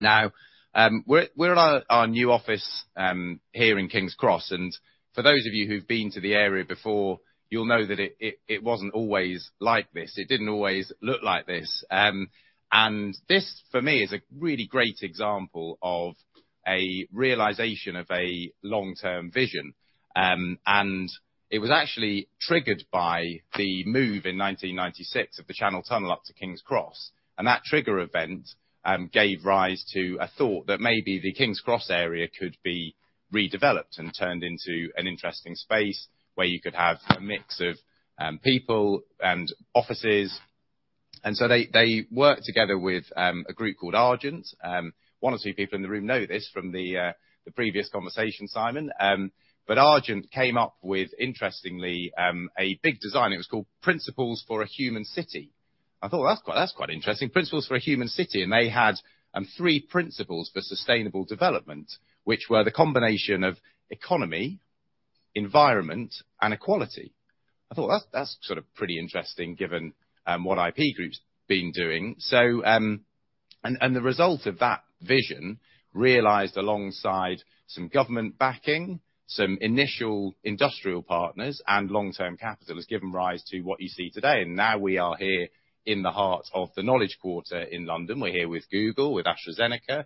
Now, we're at our new office here in King's Cross. For those of you who've been to the area before, you'll know that it wasn't always like this. It didn't always look like this. This, for me, is a really great example of a realization of a long-term vision. It was actually triggered by the move in 1996 of the Channel Tunnel up to King's Cross. That trigger event gave rise to a thought that maybe the King's Cross area could be redeveloped and turned into an interesting space where you could have a mix of people and offices. They worked together with a group called Argent. One or two people in the room know this from the previous conversation, Simon. Argent came up with, interestingly, a big design. It was called Principles for a Human City. I thought, "Well, that's quite interesting. Principles for a Human City." They had three principles for sustainable development, which were the combination of economy, environment, and equality. I thought, "Well, that's sort of pretty interesting given what IP Group's been doing." The result of that vision realized alongside some government backing, some initial industrial partners and long-term capital has given rise to what you see today. Now we are here in the heart of the Knowledge Quarter in London. We're here with Google, with AstraZeneca,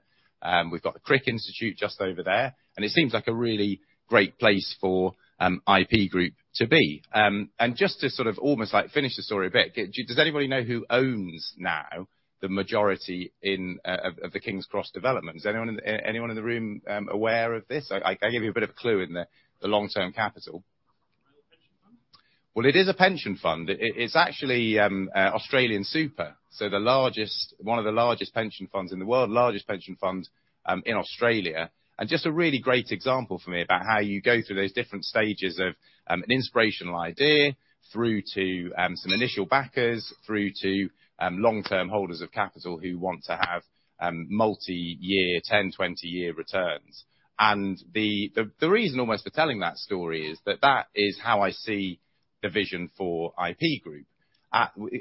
we've got the Francis Crick Institute just over there, and it seems like a really great place for IP Group to be. Just to sort of almost, like, finish the story a bit, does anybody know who owns now the majority in of the King's Cross development? Is anyone in the room aware of this? I gave you a bit of a clue in the long-term capital. Royal Pension Fund. Well, it is a pension fund. It's actually AustralianSuper, so one of the largest pension funds in the world, largest pension fund in Australia. Just a really great example for me about how you go through those different stages of an inspirational idea through to some initial backers, through to long-term holders of capital who want to have multi-year, 10, 20-year returns. The reason almost for telling that story is that that is how I see the vision for IP Group.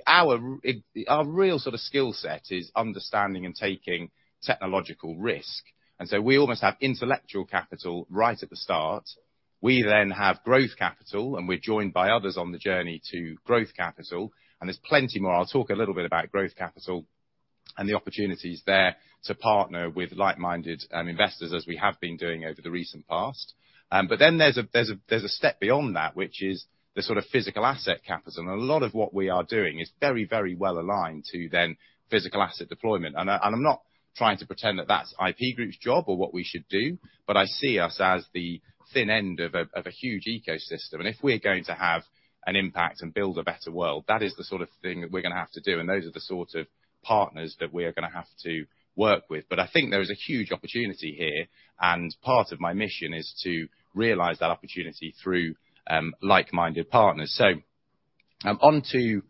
Our real sort of skill set is understanding and taking technological risk, and so we almost have intellectual capital right at the start. We then have growth capital, and we're joined by others on the journey to growth capital, and there's plenty more. I'll talk a little bit about growth capital and the opportunities there to partner with like-minded investors as we have been doing over the recent past. There's a step beyond that, which is the sort of physical asset capital. A lot of what we are doing is very, very well aligned to physical asset deployment. I'm not trying to pretend that that's IP Group's job or what we should do, but I see us as the thin end of a huge ecosystem. If we're going to have an impact and build a better world, that is the sort of thing that we're gonna have to do, and those are the sort of partners that we're gonna have to work with. I think there is a huge opportunity here, and part of my mission is to realize that opportunity through like-minded partners. Onto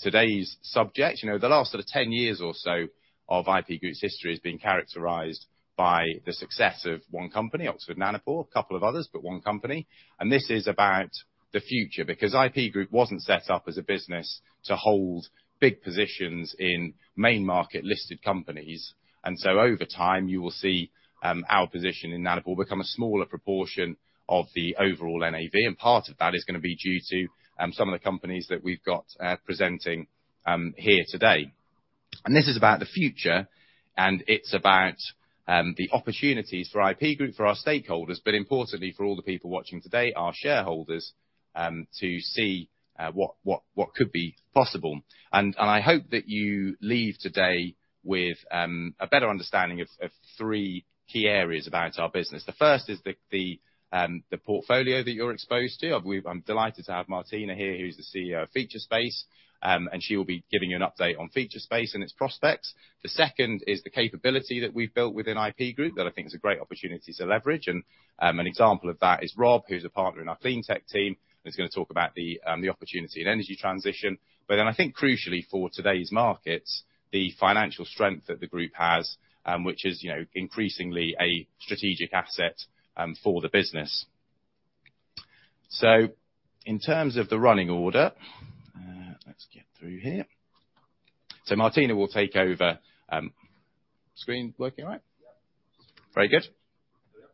today's subject. You know, the last sort of 10 years or so of IP Group's history has been characterized by the success of one company, Oxford Nanopore, a couple of others, but one company, and this is about the future. Because IP Group wasn't set up as a business to hold big positions in main market listed companies, and so over time, you will see our position in Nanopore become a smaller proportion of the overall NAV, and part of that is gonna be due to some of the companies that we've got presenting here today. This is about the future, and it's about the opportunities for IP Group for our stakeholders, but importantly for all the people watching today, our shareholders, to see what could be possible. I hope that you leave today with a better understanding of three key areas about our business. The first is the portfolio that you're exposed to. I'm delighted to have Martina here, who's the CEO of Featurespace, and she will be giving you an update on Featurespace and its prospects. The second is the capability that we've built within IP Group that I think is a great opportunity to leverage. An example of that is Rob, who's a partner in our CleanTech team, and he's gonna talk about the opportunity in energy transition. I think crucially for today's markets, the financial strength that the group has, which is, you know, increasingly a strategic asset, for the business. In terms of the running order, let's get through here. Martina will take over. Screen working all right? Yep. Very good. Yep.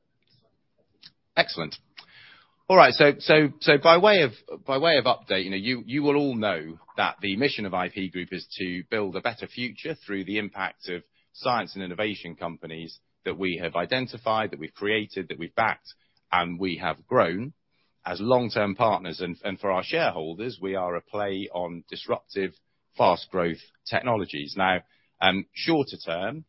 Excellent. All right, by way of update, you know, you will all know that the mission of IP Group is to build a better future through the impact of science and innovation companies that we have identified, that we've created, that we've backed, and we have grown. As long-term partners and for our shareholders, we are a play on disruptive fast growth technologies. Now, shorter term,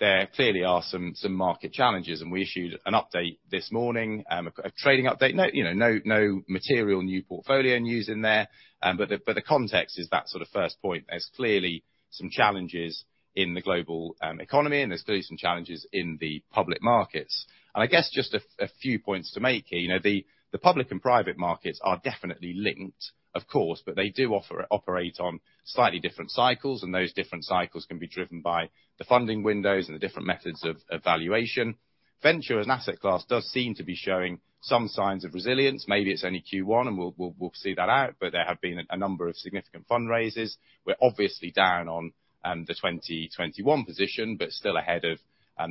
there clearly are some market challenges, and we issued an update this morning, a trading update. No, you know, no material new portfolio news in there. But the context is that sort of first point. There's clearly some challenges in the global economy, and there's clearly some challenges in the public markets. I guess just a few points to make here. You know, the public and private markets are definitely linked, of course, but they do operate on slightly different cycles, and those different cycles can be driven by the funding windows and the different methods of valuation. Venture as an asset class does seem to be showing some signs of resilience. Maybe it's only Q1 and we'll see that out, but there have been a number of significant fundraisers. We're obviously down on the 2021 position, but still ahead of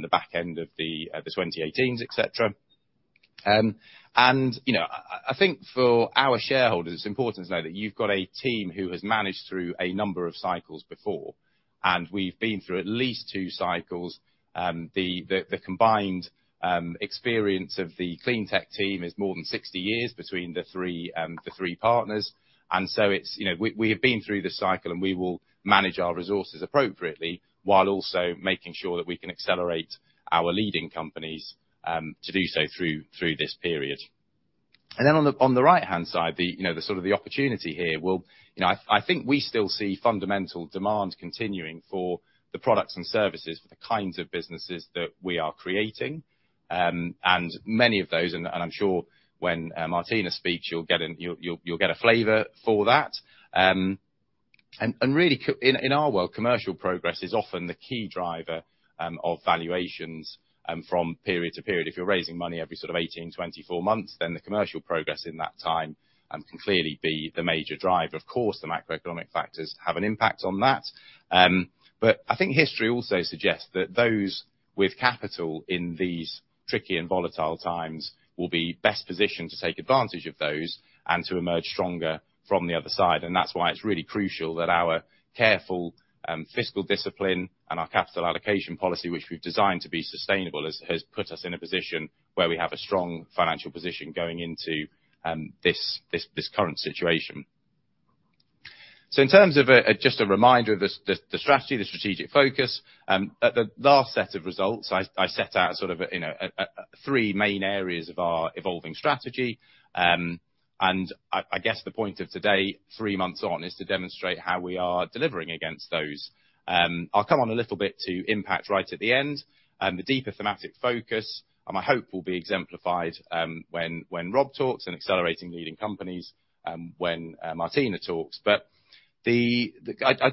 the back end of the 2018s et cetera. You know, I think for our shareholders, it's important to know that you've got a team who has managed through a number of cycles before, and we've been through at least two cycles. The combined experience of the CleanTech team is more than 60 years between the three partners. It's, you know, we have been through this cycle, and we will manage our resources appropriately while also making sure that we can accelerate our leading companies to do so through this period. On the right-hand side, you know, the sort of opportunity here. Well, you know, I think we still see fundamental demand continuing for the products and services for the kinds of businesses that we are creating. And many of those, and I'm sure when Martina speaks, you'll get a flavor for that. Really in our world, commercial progress is often the key driver of valuations from period to period. If you're raising money every sort of 18, 24 months, then the commercial progress in that time can clearly be the major driver. Of course, the macroeconomic factors have an impact on that. I think history also suggests that those with capital in these tricky and volatile times will be best positioned to take advantage of those and to emerge stronger from the other side. That's why it's really crucial that our careful fiscal discipline and our capital allocation policy, which we've designed to be sustainable, has put us in a position where we have a strong financial position going into this current situation. In terms of just a reminder of the strategy, the strategic focus at the last set of results, I set out sort of you know three main areas of our evolving strategy. I guess the point of today, three months on, is to demonstrate how we are delivering against those. I'll come on a little bit to impact right at the end, the deeper thematic focus. My hope will be exemplified when Rob talks in accelerating leading companies, when Martina talks. I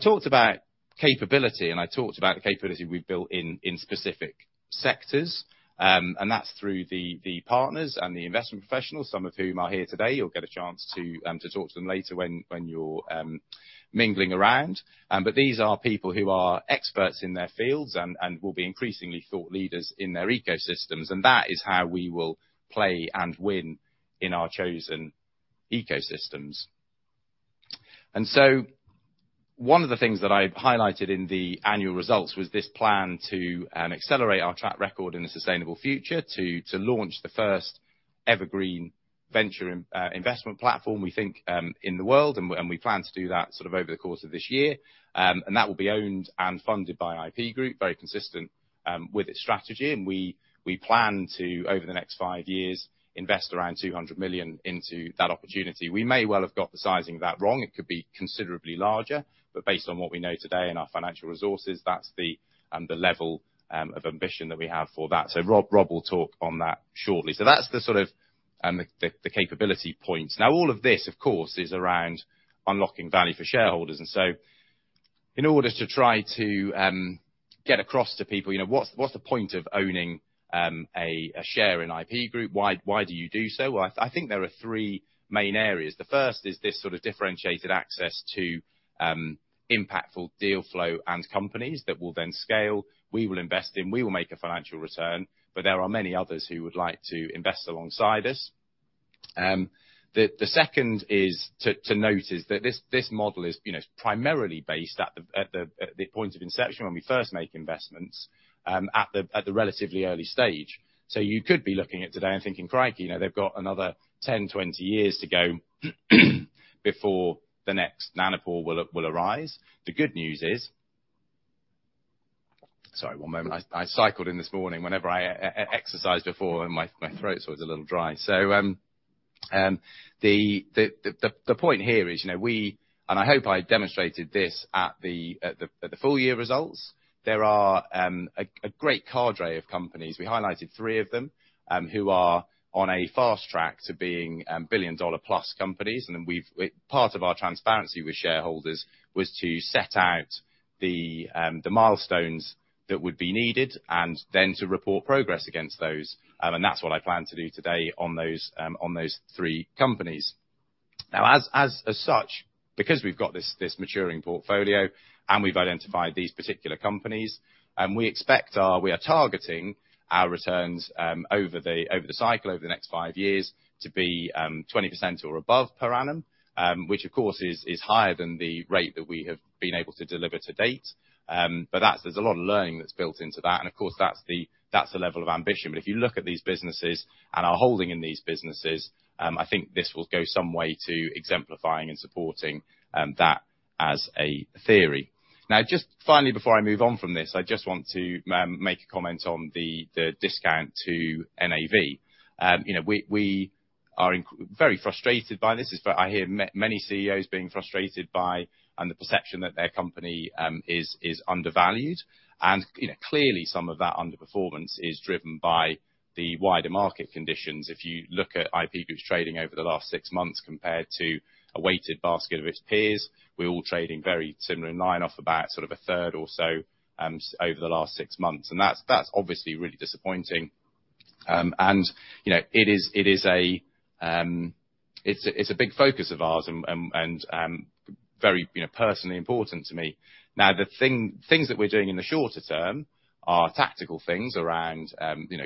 talked about capability, and I talked about the capability we've built in specific sectors. That's through the partners and the investment professionals, some of whom are here today. You'll get a chance to talk to them later when you're mingling around. These are people who are experts in their fields and will be increasingly thought leaders in their ecosystems, and that is how we will play and win in our chosen ecosystems. One of the things that I highlighted in the annual results was this plan to accelerate our track record in a sustainable future to launch the first evergreen venture investment platform, we think, in the world, and we plan to do that sort of over the course of this year. That will be owned and funded by IP Group, very consistent with its strategy. We plan to, over the next five years, invest around 200 million into that opportunity. We may well have got the sizing of that wrong. It could be considerably larger, but based on what we know today and our financial resources, that's the level of ambition that we have for that. Rob will talk on that shortly. That's the sort of capability points. Now, all of this, of course, is around unlocking value for shareholders. In order to try to get across to people, you know, what's the point of owning a share in IP Group? Why do you do so? Well, I think there are three main areas. The first is this sort of differentiated access to impactful deal flow and companies that will then scale. We will invest in. We will make a financial return, but there are many others who would like to invest alongside us. The second is to note is that this model is, you know, primarily based at the point of inception when we first make investments, at the relatively early stage. You could be looking at today and thinking, "Crikey, you know, they've got another 10-20 years to go before the next Nanopore will arise." The good news is. Sorry, one moment. I cycled in this morning. Whenever I exercise before, my throat's always a little dry. The point here is, you know, we and I hope I demonstrated this at the full year results. There are a great cadre of companies. We highlighted three of them, who are on a fast track to being billion-dollar-plus companies. Part of our transparency with shareholders was to set out the milestones that would be needed and then to report progress against those. That's what I plan to do today on those three companies. Now, as such, because we've got this maturing portfolio and we've identified these particular companies, we are targeting our returns over the cycle, over the next five years to be 20% or above per annum. Which of course is higher than the rate that we have been able to deliver to date. There's a lot of learning that's built into that, and of course, that's the level of ambition. If you look at these businesses and our holding in these businesses, I think this will go some way to exemplifying and supporting that as a theory. Now, just finally, before I move on from this, I just want to make a comment on the discount to NAV. You know, we are very frustrated by this. I hear many CEOs being frustrated by the perception that their company is undervalued. You know, clearly some of that underperformance is driven by the wider market conditions. If you look at IP Group's trading over the last six months compared to a weighted basket of its peers, we're all trading very similar in line off about sort of a third or so over the last six months. That's obviously really disappointing, and you know, it is a big focus of ours and very personally important to me. The things that we're doing in the shorter term are tactical things around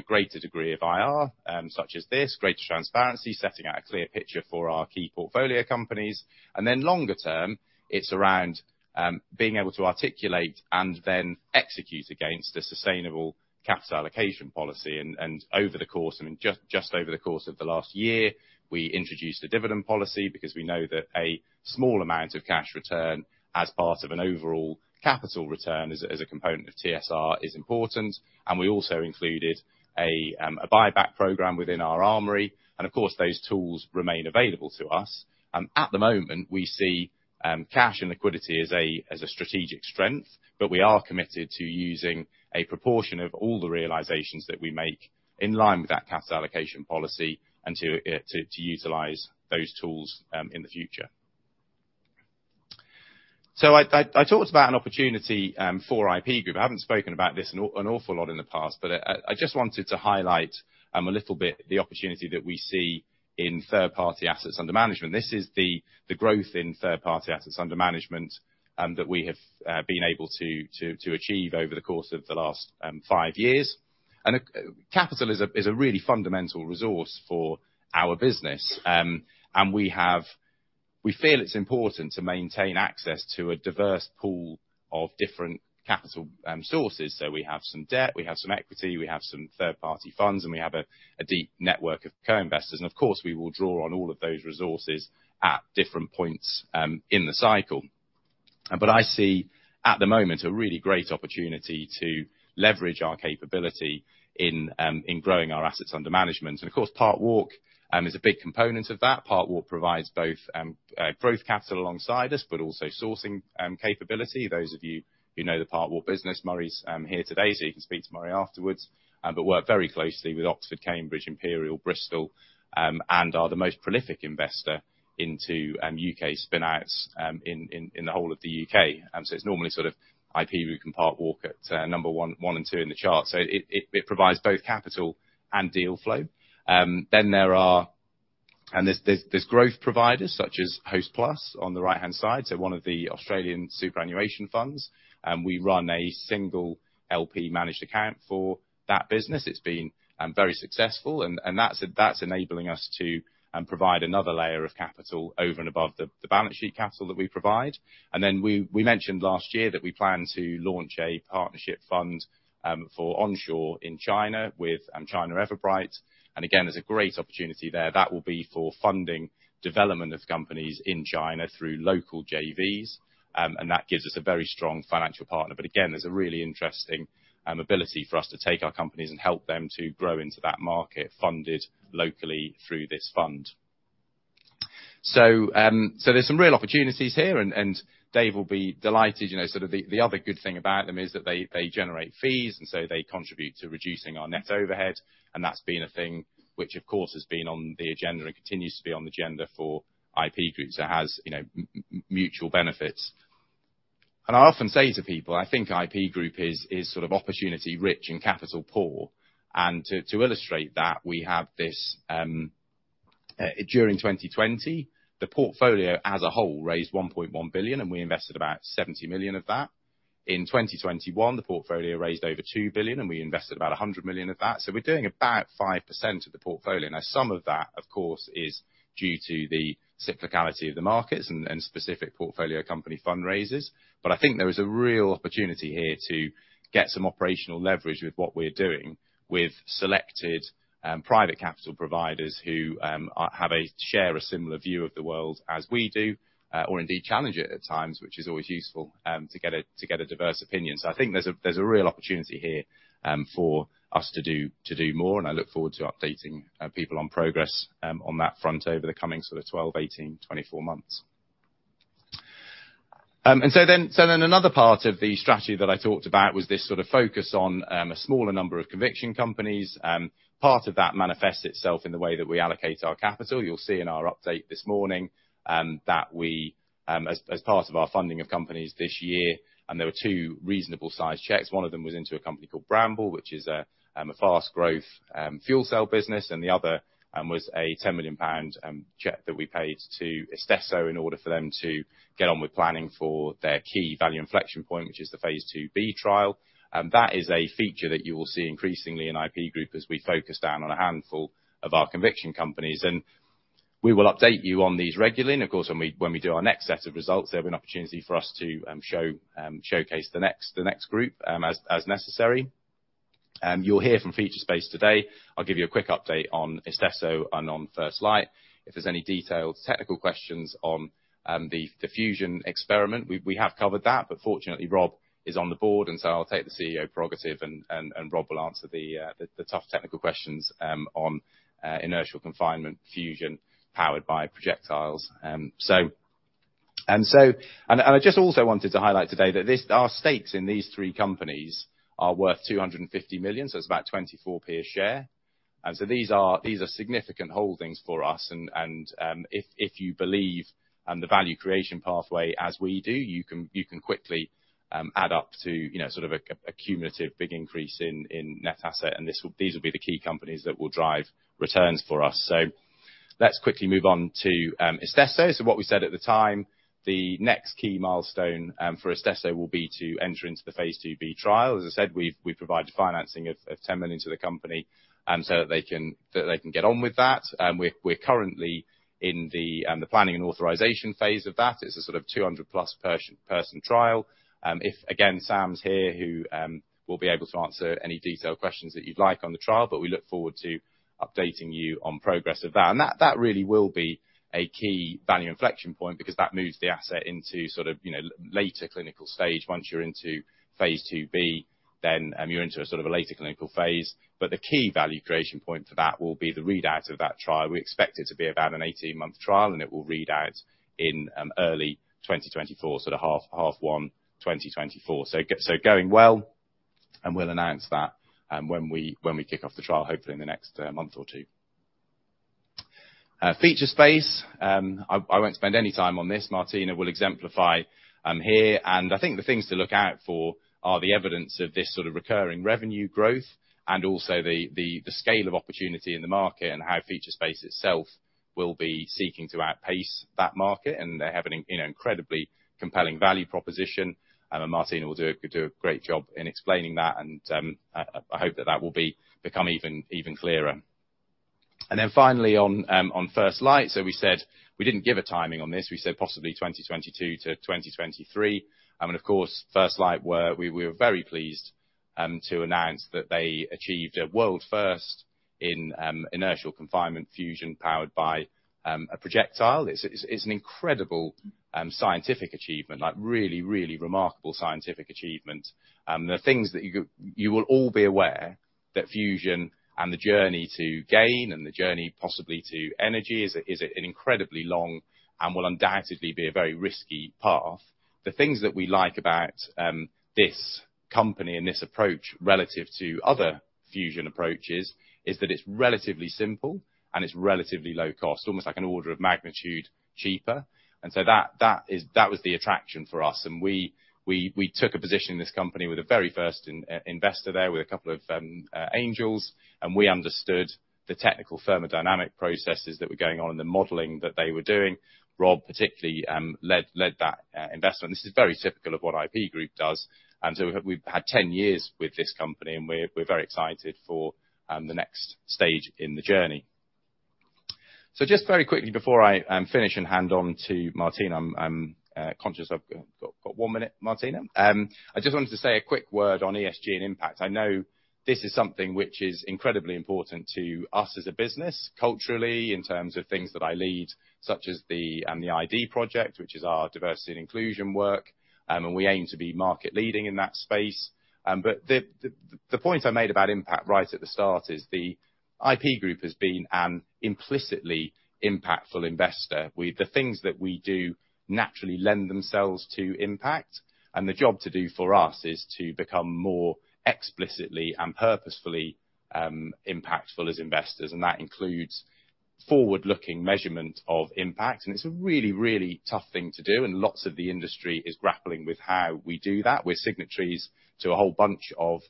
greater degree of IR, such as this, greater transparency, setting out a clear picture for our key portfolio companies. Longer term, it's around being able to articulate and then execute against a sustainable capital allocation policy. I mean, just over the course of the last year, we introduced a dividend policy because we know that a small amount of cash return as part of an overall capital return as a component of TSR is important. We also included a buyback program within our armory. Of course, those tools remain available to us. At the moment, we see cash and liquidity as a strategic strength, but we are committed to using a proportion of all the realizations that we make in line with our capital allocation policy and to utilize those tools in the future. I talked about an opportunity for IP Group. I haven't spoken about this an awful lot in the past, but I just wanted to highlight a little bit the opportunity that we see in third-party assets under management. This is the growth in third-party assets under management that we have been able to achieve over the course of the last five years. Capital is a really fundamental resource for our business. We feel it's important to maintain access to a diverse pool of different capital sources. We have some debt, we have some equity, we have some third-party funds, and we have a deep network of co-investors. Of course, we will draw on all of those resources at different points in the cycle. I see, at the moment, a really great opportunity to leverage our capability in growing our assets under management. Of course, Parkwalk is a big component of that. Parkwalk provides both growth capital alongside us, but also sourcing capability. Those of you who know the Parkwalk business, Murray's here today, so you can speak to Murray afterwards. Work very closely with Oxford, Cambridge, Imperial, Bristol, and are the most prolific investor into UK spin-outs in the whole of the UK. It's normally sort of IP Group and Parkwalk at number one and two in the chart. It provides both capital and deal flow. There are growth providers such as Hostplus on the right-hand side, one of the Australian superannuation funds. We run a single LP managed account for that business. It's been very successful. That's enabling us to provide another layer of capital over and above the balance sheet capital that we provide. We mentioned last year that we plan to launch a partnership fund for onshore in China with China Everbright. Again, there's a great opportunity there. That will be for funding development of companies in China through local JVs, and that gives us a very strong financial partner. Again, there's a really interesting ability for us to take our companies and help them to grow into that market funded locally through this fund. There's some real opportunities here and Dave will be delighted. You know, sort of the other good thing about them is that they generate fees, and so they contribute to reducing our net overhead. That's been a thing which of course has been on the agenda and continues to be on the agenda for IP Group. It has, you know, mutual benefits. I often say to people, I think IP Group is sort of opportunity rich and capital poor. To illustrate that, we have this, during 2020, the portfolio as a whole raised 1.1 billion, and we invested about 70 million of that. In 2021, the portfolio raised over 2 billion, and we invested about 100 million of that. We're doing about 5% of the portfolio. Now, some of that, of course, is due to the cyclicality of the markets and specific portfolio company fundraisers. I think there is a real opportunity here to get some operational leverage with what we're doing with selected private capital providers who share a similar view of the world as we do, or indeed challenge it at times, which is always useful, to get a diverse opinion. I think there's a real opportunity here, for us to do more, and I look forward to updating people on progress on that front over the coming sort of 12, 18, 24 months. Another part of the strategy that I talked about was this sort of focus on a smaller number of conviction companies. Part of that manifests itself in the way that we allocate our capital. You'll see in our update this morning, that we, as part of our funding of companies this year, and there were two reasonable size checks. One of them was into a company called Bramble, which is a fast growth fuel cell business, and the other was a 10 million pound check that we paid to Istesso in order for them to get on with planning for their key value inflection point, which is the phase two B trial. That is a feature that you will see increasingly in IP Group as we focus down on a handful of our conviction companies. We will update you on these regularly. Of course, when we do our next set of results, there'll be an opportunity for us to showcase the next group as necessary. You'll hear from Featurespace today. I'll give you a quick update on Istesso and on First Light. If there's any detailed technical questions on the fusion experiment, we have covered that, but fortunately, Rob is on the board, so I'll take the CEO prerogative and Rob will answer the tough technical questions on inertial confinement fusion powered by projectiles. I just also wanted to highlight today that our stakes in these three companies are worth 250 million, so it's about 24 per share. These are significant holdings for us and if you believe the value creation pathway as we do, you can quickly add up to, you know, sort of a cumulative big increase in net asset. These will be the key companies that will drive returns for us. Let's quickly move on to Istesso. What we said at the time, the next key milestone for Istesso will be to enter into the Phase IIb trial. As I said, we've provided financing of 10 million to the company so that they can get on with that. We're currently in the planning and authorization phase of that. It's a sort of 200-plus person trial. If, again, Sam's here, who will be able to answer any detailed questions that you'd like on the trial, but we look forward to updating you on progress of that. That really will be a key value inflection point because that moves the asset into sort of, you know, later clinical stage. Once you're into phase IIb, then you're into a sort of a later clinical phase. The key value creation point for that will be the readout of that trial. We expect it to be about an 18-month trial, and it will read out in early 2024, so H1 2024. Going well, and we'll announce that when we kick off the trial, hopefully in the next month or two. Featurespace, I won't spend any time on this. Martina will exemplify here. I think the things to look out for are the evidence of this sort of recurring revenue growth and also the scale of opportunity in the market and how Featurespace itself will be seeking to outpace that market. They have an, you know, incredibly compelling value proposition, and Martina will do a great job in explaining that. I hope that will become even clearer. Finally on First Light. We said we didn't give a timing on this. We said possibly 2022-2023. Of course, First Light Fusion we were very pleased to announce that they achieved a world first in inertial confinement fusion powered by a projectile. It's an incredible scientific achievement, like really remarkable scientific achievement. You will all be aware that fusion and the journey to gain and the journey possibly to energy is an incredibly long and will undoubtedly be a very risky path. The things that we like about this company and this approach relative to other fusion approaches is that it's relatively simple and it's relatively low cost, almost like an order of magnitude cheaper. That was the attraction for us, and we took a position in this company with the very first investor there with a couple of angels, and we understood the technical thermodynamic processes that were going on and the modeling that they were doing. Robert Trezona particularly led that investment. This is very typical of what IP Group does. We've had 10 years with this company, and we're very excited for the next stage in the journey. Just very quickly before I finish and hand over to Martina, I'm conscious I've got one minute, Martina. I just wanted to say a quick word on ESG and impact. I know this is something which is incredibly important to us as a business culturally in terms of things that I lead, such as the D&I project, which is our diversity and inclusion work. We aim to be market leading in that space. The point I made about impact right at the start is the IP Group has been an implicitly impactful investor. The things that we do naturally lend themselves to impact, and the job to do for us is to become more explicitly and purposefully impactful as investors, and that includes forward-looking measurement of impact. It's a really, really tough thing to do, and lots of the industry is grappling with how we do that. We're signatories to a whole bunch of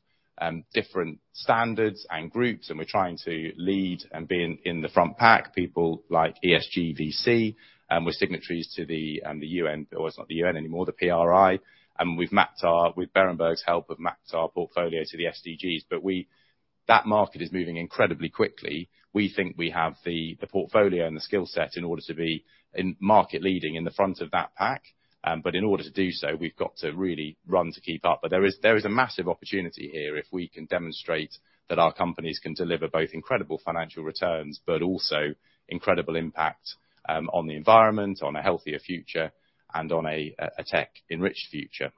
different standards and groups, and we're trying to lead and be in the front pack, people like ESG VC. We're signatories to the UN, or it's not the UN anymore, the PRI. We've mapped our portfolio with Berenberg help to the SDGs. That market is moving incredibly quickly. We think we have the portfolio and the skill set in order to be market leading in the front of that pack. In order to do so, we've got to really run to keep up. There is a massive opportunity here if we can demonstrate that our companies can deliver both incredible financial returns, but also incredible impact on the environment, on a healthier future, and on a tech-enriched future.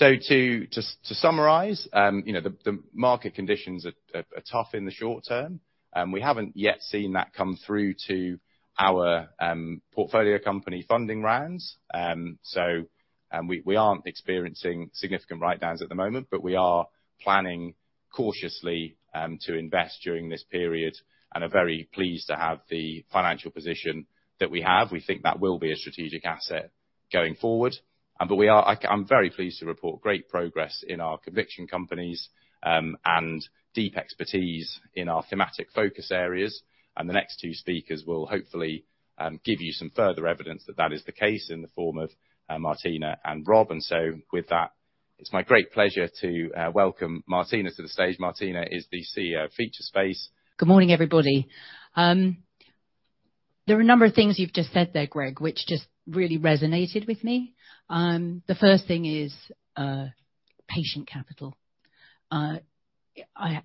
To summarize, you know, the market conditions are tough in the short term. We haven't yet seen that come through to our portfolio company funding rounds. We aren't experiencing significant write-downs at the moment, but we are planning cautiously to invest during this period and are very pleased to have the financial position that we have. We think that will be a strategic asset going forward. I'm very pleased to report great progress in our conviction companies and deep expertise in our thematic focus areas. The next two speakers will hopefully give you some further evidence that that is the case in the form of Martina and Rob. With that, it's my great pleasure to welcome Martina to the stage. Martina is the CEO of Featurespace. Good morning, everybody. There are a number of things you've just said there, Greg, which just really resonated with me. The first thing is, patient capital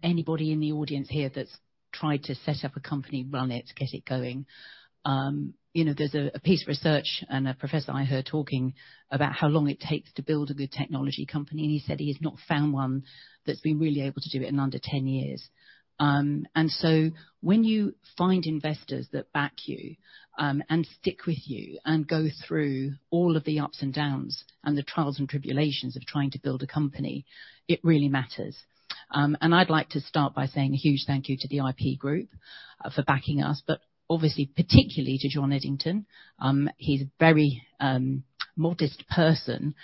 Anybody in the audience here that's tried to set up a company, run it, get it going, you know, there's a piece of research and a professor I heard talking about how long it takes to build a good technology company, and he said he has not found one that's been really able to do it in under 10 years. When you find investors that back you, and stick with you and go through all of the ups and downs and the trials and tribulations of trying to build a company, it really matters. I'd like to start by saying a huge thank you to the IP Group for backing us, obviously particularly to John Holt. He's a very modest person.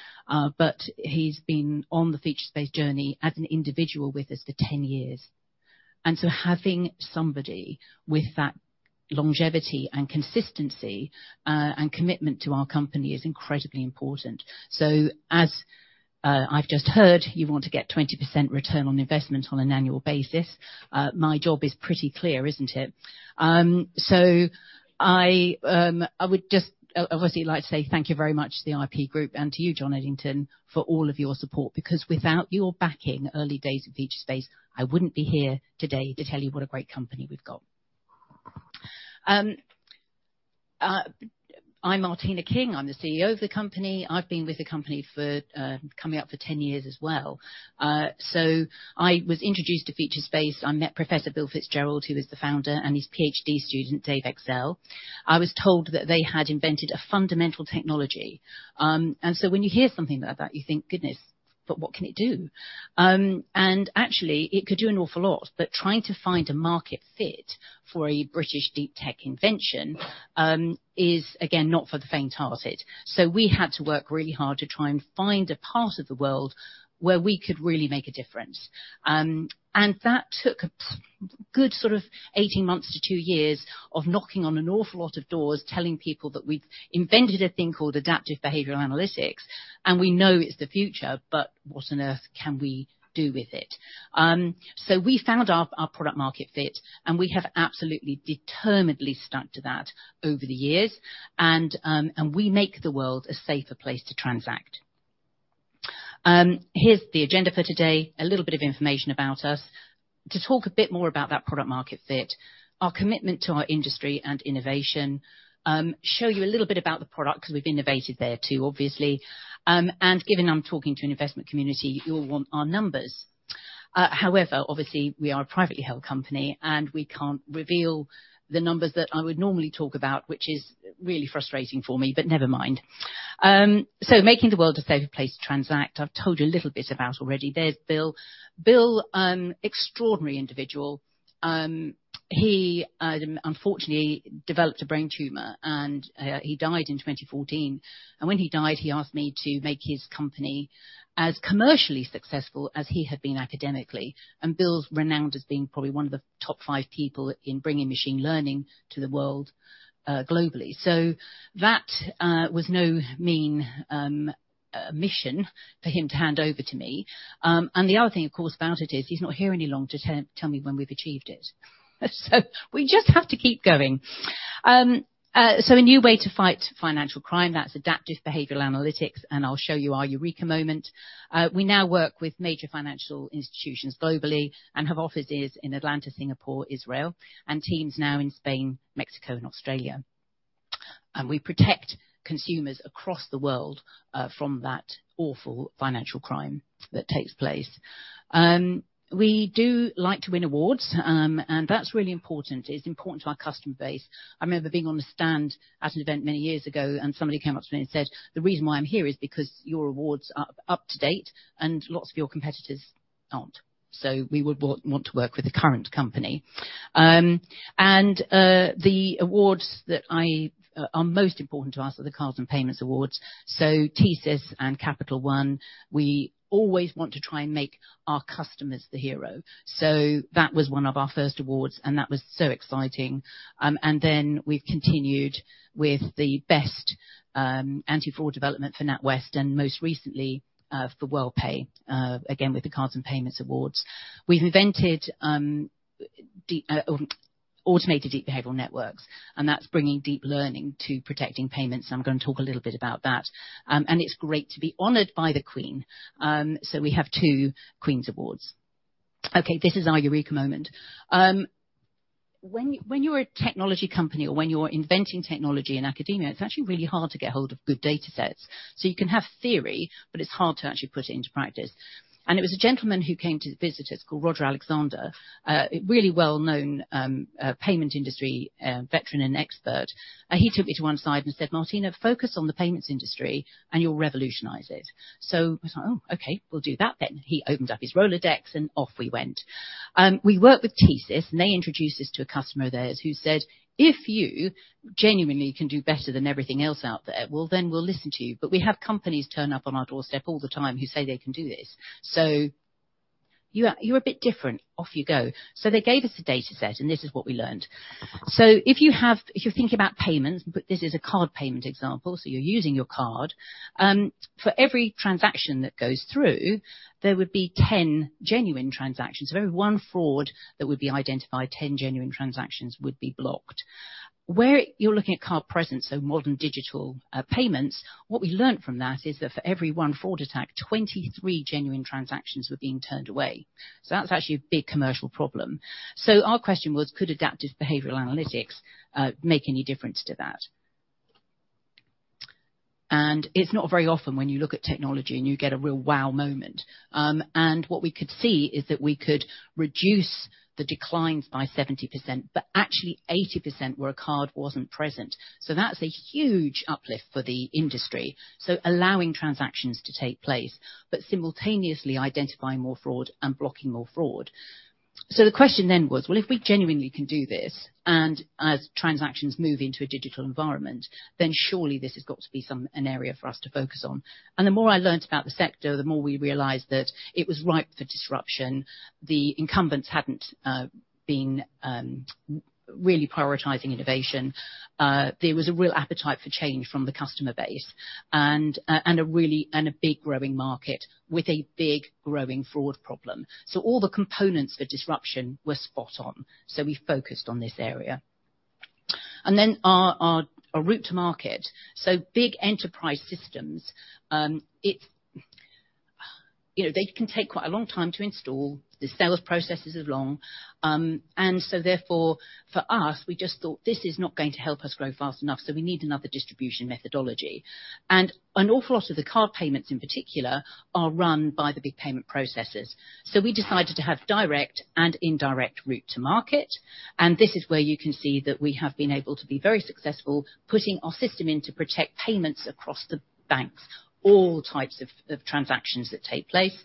He's been on the Featurespace journey as an individual with us for 10 years. Having somebody with that longevity and consistency, and commitment to our company is incredibly important. I've just heard, you want to get 20% return on investment on an annual basis, my job is pretty clear, isn't it? I would just obviously like to say thank you very much to the IP Group and to you, John Holt, for all of your support, because without your backing early days of Featurespace, I wouldn't be here today to tell you what a great company we've got. I'm Martina King. I'm the CEO of the company. I've been with the company for, coming up for 10 years as well. I was introduced to Featurespace. I met Professor Bill Fitzgerald, who is the founder, and his PhD student, Dave Excell. I was told that they had invented a fundamental technology. When you hear something like that, you think, "Goodness, but what can it do?" Actually, it could do an awful lot, but trying to find a market fit for a British deep tech invention is again, not for the faint-hearted. We had to work really hard to try and find a part of the world where we could really make a difference. That took a good sort of 18 months to two years of knocking on an awful lot of doors, telling people that we've invented a thing called Adaptive Behavioral Analytics, and we know it's the future, but what on earth can we do with it? We found our product market fit, and we have absolutely determinedly stuck to that over the years. We make the world a safer place to transact. Here's the agenda for today. A little bit of information about us. To talk a bit more about that product market fit, our commitment to our industry and innovation, show you a little bit about the product 'cause we've innovated there too, obviously. Given I'm talking to an investment community, you'll want our numbers. However, obviously, we are a privately held company, and we can't reveal the numbers that I would normally talk about, which is really frustrating for me, but never mind. Making the world a safer place to transact, I've told you a little bit about already. There's Bill. Bill, extraordinary individual. He unfortunately developed a brain tumor, and he died in 2014. When he died, he asked me to make his company as commercially successful as he had been academically. Bill's renowned as being probably one of the top five people in bringing machine learning to the world, globally. That was no mean mission for him to hand over to me. The other thing, of course, about it is he's not here any longer to tell me when we've achieved it. We just have to keep going. A new way to fight financial crime, that's Adaptive Behavioral Analytics, and I'll show you our eureka moment. We now work with major financial institutions globally and have offices in Atlanta, Singapore, Israel, and teams now in Spain, Mexico, and Australia. We protect consumers across the world from that awful financial crime that takes place. We do like to win awards, and that's really important. It's important to our customer base. I remember being on a stand at an event many years ago, and somebody came up to me and said, "The reason why I'm here is because your awards are up to date and lots of your competitors aren't. So we would want to work with a current company." The awards that are most important to us are the Card & Payments Awards. TSYS and Capital One, we always want to try and make our customers the hero. That was one of our first awards, and that was so exciting. We've continued with the best anti-fraud development for NatWest and most recently for Worldpay again with the Card & Payments Awards. We've invented Automated Deep Behavioral Networks, and that's bringing deep learning to protecting payments. I'm gonna talk a little bit about that. It's great to be honored by the Queen. We have two Queen's Awards. Okay, this is our eureka moment. When you're a technology company or when you're inventing technology in academia, it's actually really hard to get hold of good datasets. You can have theory, but it's hard to actually put it into practice. It was a gentleman who came to visit us called Roger Alexander, a really well-known payment industry veteran and expert. He took me to one side and said, "Martina, focus on the payments industry and you'll revolutionize it." I was like, "Oh, okay, we'll do that then." He opens up his Rolodex and off we went. We work with TSYS, and they introduced us to a customer of theirs who said, "If you genuinely can do better than everything else out there, well, then we'll listen to you. But we have companies turn up on our doorstep all the time who say they can do this. So you're a bit different. Off you go." They gave us a dataset, and this is what we learned. If you're thinking about payments, but this is a card payment example, so you're using your card, for every transaction that goes through, there would be 10 genuine transactions. For every one fraud that would be identified, 10 genuine transactions would be blocked. Where you're looking at card present, so modern digital payments, what we learned from that is that for every 1 fraud attack, 23 genuine transactions were being turned away. That's actually a big commercial problem. Our question was, could Adaptive Behavioral Analytics make any difference to that? It's not very often when you look at technology and you get a real wow moment. What we could see is that we could reduce the declines by 70%, but actually 80% where a card wasn't present. That's a huge uplift for the industry. Allowing transactions to take place, but simultaneously identifying more fraud and blocking more fraud. The question then was, well, if we genuinely can do this, and as transactions move into a digital environment, then surely this has got to be an area for us to focus on. The more I learned about the sector, the more we realized that it was ripe for disruption. The incumbents hadn't been really prioritizing innovation. There was a real appetite for change from the customer base and a big growing market with a big growing fraud problem. All the components for disruption were spot on. We focused on this area. Our route to market. Big enterprise systems. You know, they can take quite a long time to install. The sales process is long. Therefore, for us, we just thought, "This is not going to help us grow fast enough, so we need another distribution methodology." An awful lot of the card payments in particular are run by the big payment processors. We decided to have direct and indirect route to market. This is where you can see that we have been able to be very successful putting our system in to protect payments across the banks, all types of transactions that take place.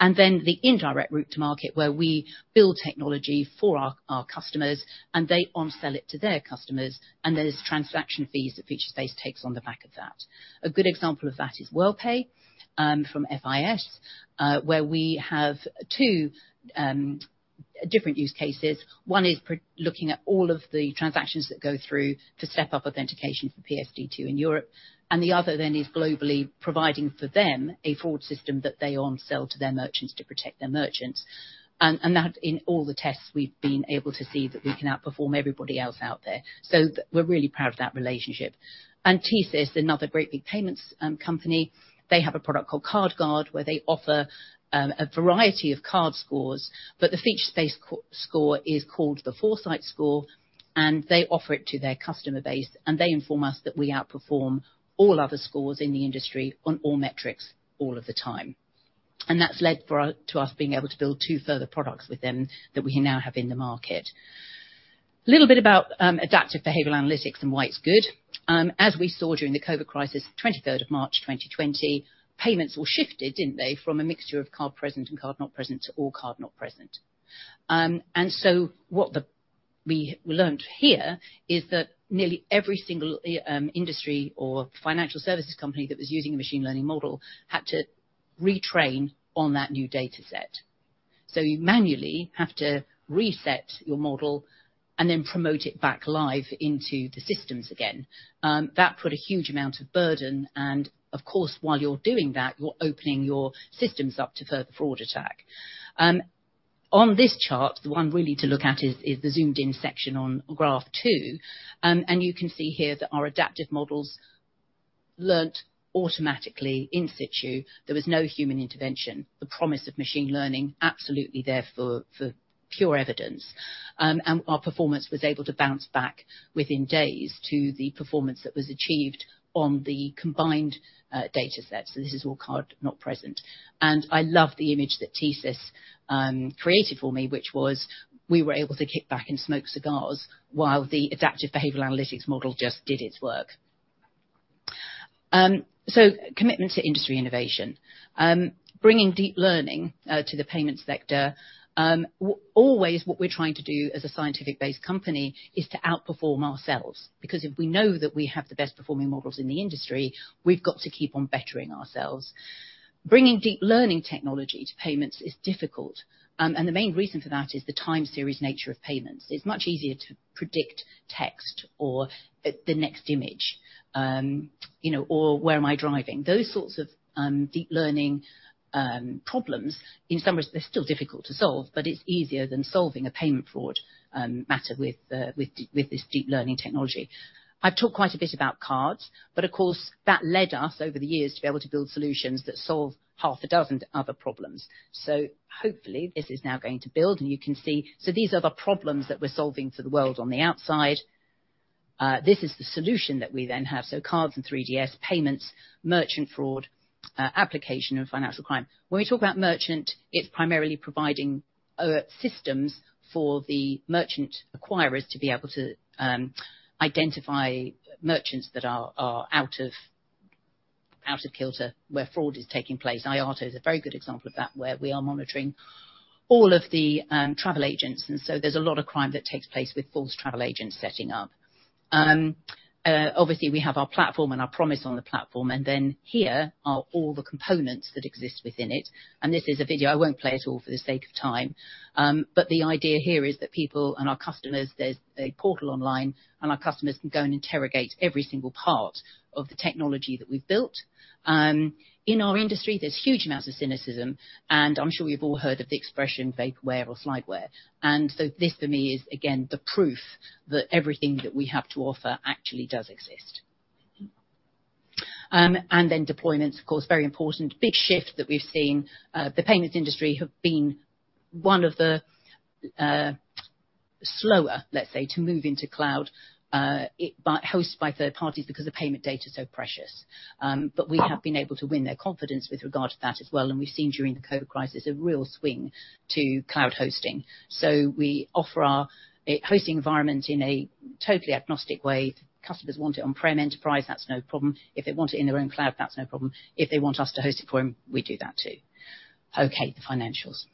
Then the indirect route to market, where we build technology for our customers, and they onsell it to their customers, and there's transaction fees that Featurespace takes on the back of that. A good example of that is Worldpay from FIS, where we have two different use cases. One is looking at all of the transactions that go through to step up authentication for PSD2 in Europe, and the other then is globally providing for them a fraud system that they onsell to their merchants to protect their merchants. That in all the tests, we've been able to see that we can outperform everybody else out there. We're really proud of that relationship. TSYS is another great big payments company. They have a product called CardGuard, where they offer a variety of card scores, but the Featurespace's score is called the Foresight Score, and they offer it to their customer base, and they inform us that we outperform all other scores in the industry on all metrics all of the time. That's led to us being able to build two further products with them that we now have in the market. Little bit about Adaptive Behavioral Analytics and why it's good. As we saw during the COVID crisis, 23rd of March, 2020, payments all shifted, didn't they, from a mixture of card present and card not present to all card not present. We learned here is that nearly every single industry or financial services company that was using a machine learning model had to retrain on that new dataset. You manually have to reset your model and then promote it back live into the systems again. That put a huge amount of burden and, of course, while you're doing that, you're opening your systems up to further fraud attack. On this chart, the one really to look at is the zoomed-in section on graph two. You can see here that our adaptive models learned automatically in situ. There was no human intervention. The promise of machine learning absolutely there for pure evidence. Our performance was able to bounce back within days to the performance that was achieved on the combined datasets. This is all card not present. I love the image that TSYS created for me, which was we were able to kick back and smoke cigars while the Adaptive Behavioral Analytics model just did its work. Commitment to industry innovation. Bringing deep learning to the payments sector always what we're trying to do as a scientific-based company is to outperform ourselves, because if we know that we have the best performing models in the industry, we've got to keep on bettering ourselves. Bringing deep learning technology to payments is difficult. The main reason for that is the time series nature of payments. It's much easier to predict text or the next image, you know, or where am I driving? Those sorts of deep learning problems, in some ways, they're still difficult to solve, but it's easier than solving a payment fraud matter with this deep learning technology. I've talked quite a bit about cards, but of course, that led us over the years to be able to build solutions that solve half a dozen other problems. Hopefully this is now going to build and you can see. These are the problems that we're solving for the world on the outside. This is the solution that we then have. Cards and 3DS, payments, merchant fraud, application and financial crime. When we talk about merchant, it's primarily providing systems for the merchant acquirers to be able to identify merchants that are out of kilter, where fraud is taking place. IATA is a very good example of that, where we are monitoring all of the travel agents. There's a lot of crime that takes place with false travel agents setting up. Obviously, we have our platform and our promise on the platform, and then here are all the components that exist within it. This is a video. I won't play it all for the sake of time. The idea here is that people and our customers, there's a portal online, and our customers can go and interrogate every single part of the technology that we've built. In our industry, there's huge amounts of cynicism, and I'm sure you've all heard of the expression vaporware or slideware. This, for me, is again the proof that everything that we have to offer actually does exist. Then deployments, of course, very important. Big shift that we've seen. The payments industry have been one of the slower, let's say, to move into cloud, hosted by third parties because the payment data is so precious. But we have been able to win their confidence with regard to that as well, and we've seen during the COVID crisis, a real swing to cloud hosting. We offer our hosting environment in a totally agnostic way. If customers want it on-prem enterprise, that's no problem. If they want it in their own cloud, that's no problem. If they want us to host it for them, we do that too. Okay, the financials.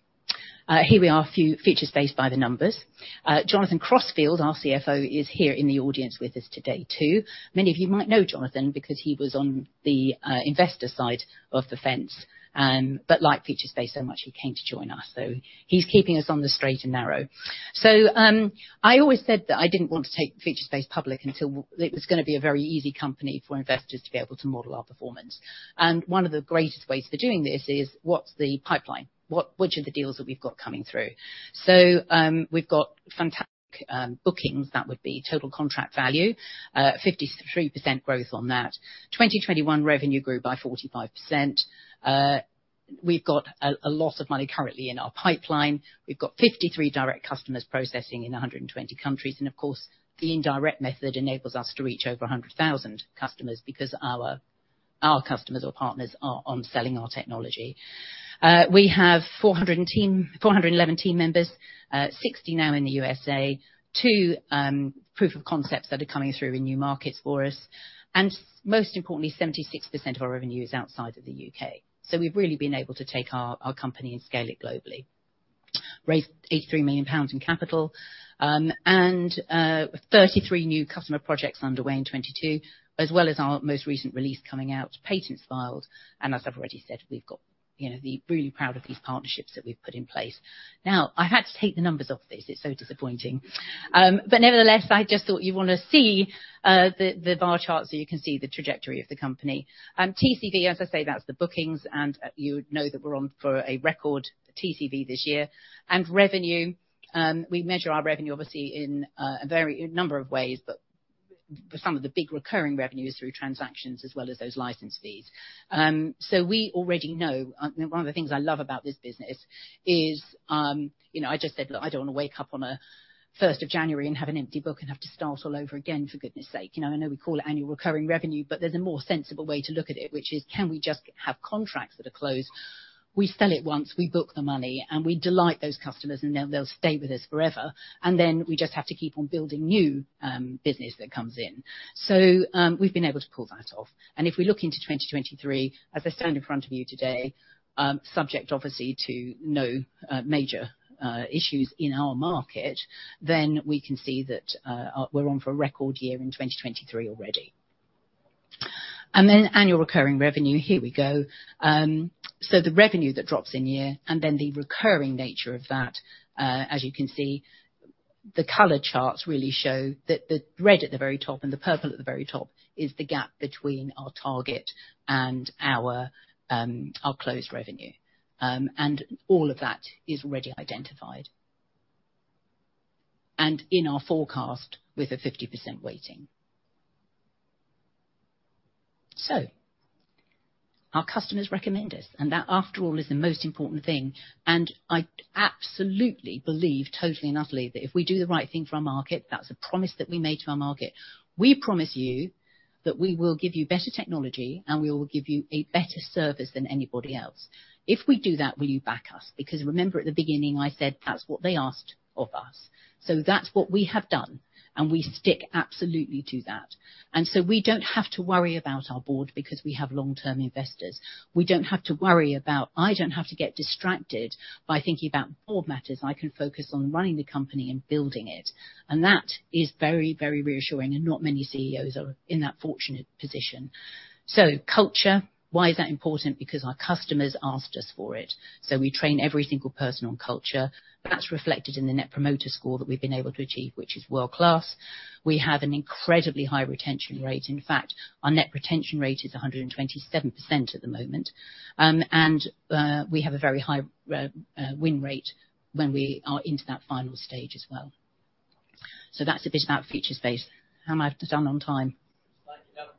Here we are. Featurespace by the numbers. Jonathan Crossfield, our CFO, is here in the audience with us today too. Many of you might know Jonathan because he was on the investor side of the fence, but liked Featurespace so much, he came to join us. He's keeping us on the straight and narrow. I always said that I didn't want to take Featurespace public until it was gonna be a very easy company for investors to be able to model our performance. One of the greatest ways for doing this is what's the pipeline? Which are the deals that we've got coming through? We've got fantastic bookings. That would be total contract value. 53% growth on that. 2021 revenue grew by 45%. We've got a lot of money currently in our pipeline. We've got 53 direct customers processing in 120 countries, and of course, the indirect method enables us to reach over 100,000 customers because our customers or partners are on selling our technology. We have 411 team members, 60 now in the USA, two proof of concepts that are coming through in new markets for us, and most importantly, 76% of our revenue is outside of the U.K. We've really been able to take our company and scale it globally. Raised 83 million pounds in capital, and 33 new customer projects underway in 2022, as well as our most recent release coming out, patents filed, and as I've already said, we've got. You know, really proud of these partnerships that we've put in place. Now, I had to take the numbers off this. It's so disappointing. Nevertheless, I just thought you'd wanna see the bar chart so you can see the trajectory of the company. TCV, as I say, that's the bookings and you would know that we're on for a record TCV this year. Revenue, we measure our revenue obviously in a number of ways, but for some of the big recurring revenue is through transactions as well as those license fees. We already know one of the things I love about this business is you know, I just said, look, I don't want to wake up on a first of January and have an empty book and have to start all over again, for goodness sake. You know, I know we call it annual recurring revenue, but there's a more sensible way to look at it, which is, can we just have contracts that are closed? We sell it once, we book the money, and we delight those customers, and they'll stay with us forever. We just have to keep on building new business that comes in. We've been able to pull that off. If we look into 2023, as I stand in front of you today, subject obviously to no major issues in our market, then we can see that, we're on for a record year in 2023 already. Annual recurring revenue. Here we go. The revenue that drops in year and then the recurring nature of that, as you can see, the color charts really show that the red at the very top and the purple at the very top is the gap between our target and our closed revenue. All of that is already identified and in our forecast with a 50% weighting. Our customers recommend us, and that, after all, is the most important thing, and I absolutely believe, totally and utterly, that if we do the right thing for our market, that's a promise that we made to our market. We promise you that we will give you better technology and we will give you a better service than anybody else. If we do that, will you back us? Because remember at the beginning, I said that's what they asked of us. That's what we have done, and we stick absolutely to that. We don't have to worry about our board because we have long-term investors. We don't have to worry about, I don't have to get distracted by thinking about board matters. I can focus on running the company and building it. That is very, very reassuring, and not many CEOs are in that fortunate position. Culture, why is that important? Because our customers asked us for it. We train every single person on culture. That's reflected in the Net Promoter Score that we've been able to achieve, which is world-class. We have an incredibly high retention rate. In fact, our net retention rate is 127% at the moment. We have a very high win rate when we are into that final stage as well. That's a bit about Featurespace. How am I doing on time? Slightly over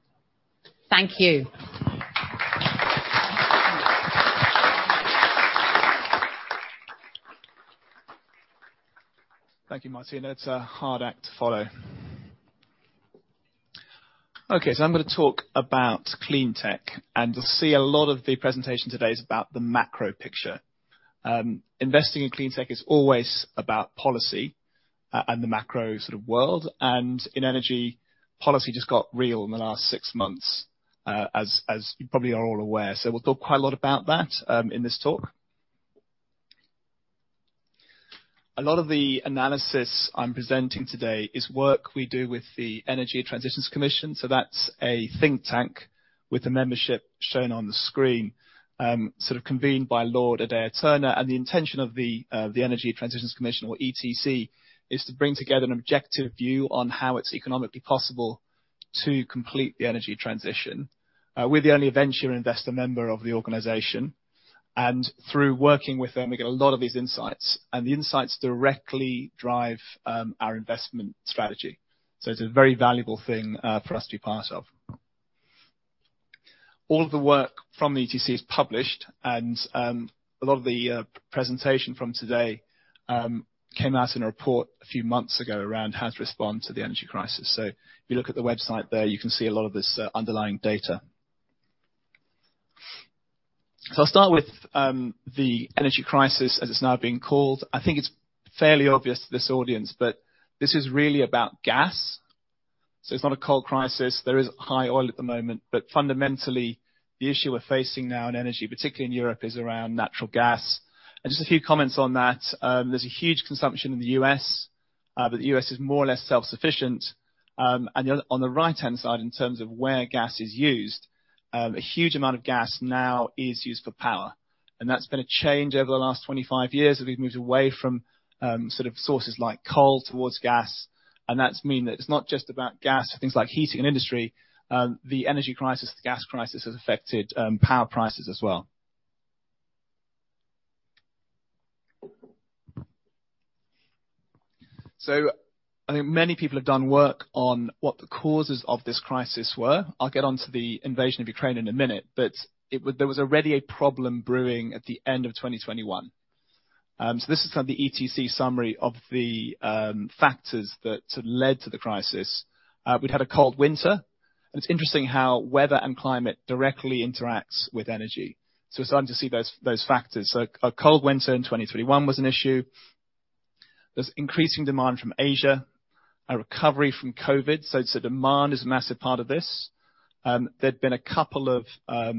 time. Thank you. Thank you, Martina. It's a hard act to follow. Okay, I'm gonna talk about CleanTech, and you'll see a lot of the presentation today is about the macro picture. Investing in CleanTech is always about policy, and the macro sort of world, and in energy, policy just got real in the last six months, as you probably are all aware. We'll talk quite a lot about that in this talk. A lot of the analysis I'm presenting today is work we do with the Energy Transitions Commission. That's a think tank with the membership shown on the screen, sort of convened by Lord Adair Turner. The intention of the Energy Transitions Commission or ETC is to bring together an objective view on how it's economically possible to complete the energy transition. We're the only venture investor member of the organization. Through working with them, we get a lot of these insights, and the insights directly drive our investment strategy. It's a very valuable thing for us to be part of. All of the work from the ETC is published, and a lot of the presentation from today came out in a report a few months ago around how to respond to the energy crisis. If you look at the website there, you can see a lot of this underlying data. I'll start with the energy crisis, as it's now being called. I think it's fairly obvious to this audience, but this is really about gas, so it's not a cold crisis. There is high oil at the moment, but fundamentally, the issue we're facing now in energy, particularly in Europe, is around natural gas. Just a few comments on that. There's a huge consumption in the U.S., but the U.S. is more or less self-sufficient. On the right-hand side, in terms of where gas is used, a huge amount of gas now is used for power. That's been a change over the last 25 years, as we've moved away from sort of sources like coal towards gas, and that means it's not just about gas for things like heating and industry. The energy crisis, the gas crisis, has affected power prices as well. I think many people have done work on what the causes of this crisis were. I'll get onto the invasion of Ukraine in a minute, but there was already a problem brewing at the end of 2021. This is kind of the ETC summary of the factors that led to the crisis. We'd had a cold winter, and it's interesting how weather and climate directly interacts with energy. We're starting to see those factors. A cold winter in 2021 was an issue. There's increasing demand from Asia, a recovery from COVID. Demand is a massive part of this. There'd been a couple of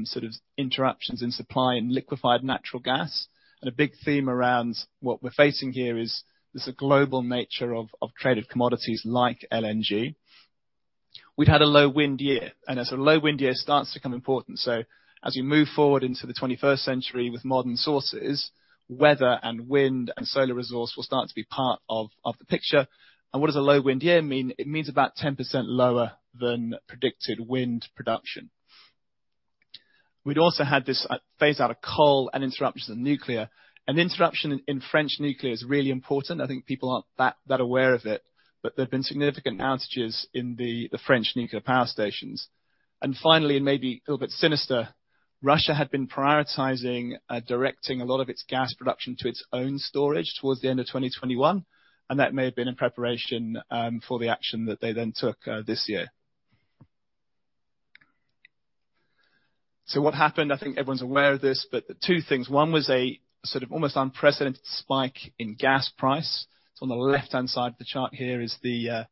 sort of interruptions in supply in liquefied natural gas. A big theme around what we're facing here is there's a global nature of traded commodities like LNG. We'd had a low wind year, and as a low wind year starts to become important. As we move forward into the 21st century with modern sources, weather and wind and solar resource will start to be part of the picture. What does a low wind year mean? It means about 10% lower than predicted wind production. We'd also had this phase out of coal and interruptions in nuclear. An interruption in French nuclear is really important. I think people aren't that aware of it. There have been significant outages in the French nuclear power stations. Finally, and maybe a little bit sinister, Russia had been prioritizing directing a lot of its gas production to its own storage towards the end of 2021, and that may have been in preparation for the action that they then took this year. What happened? I think everyone's aware of this, but two things. One was a sort of almost unprecedented spike in gas price. On the left-hand side of the chart here is the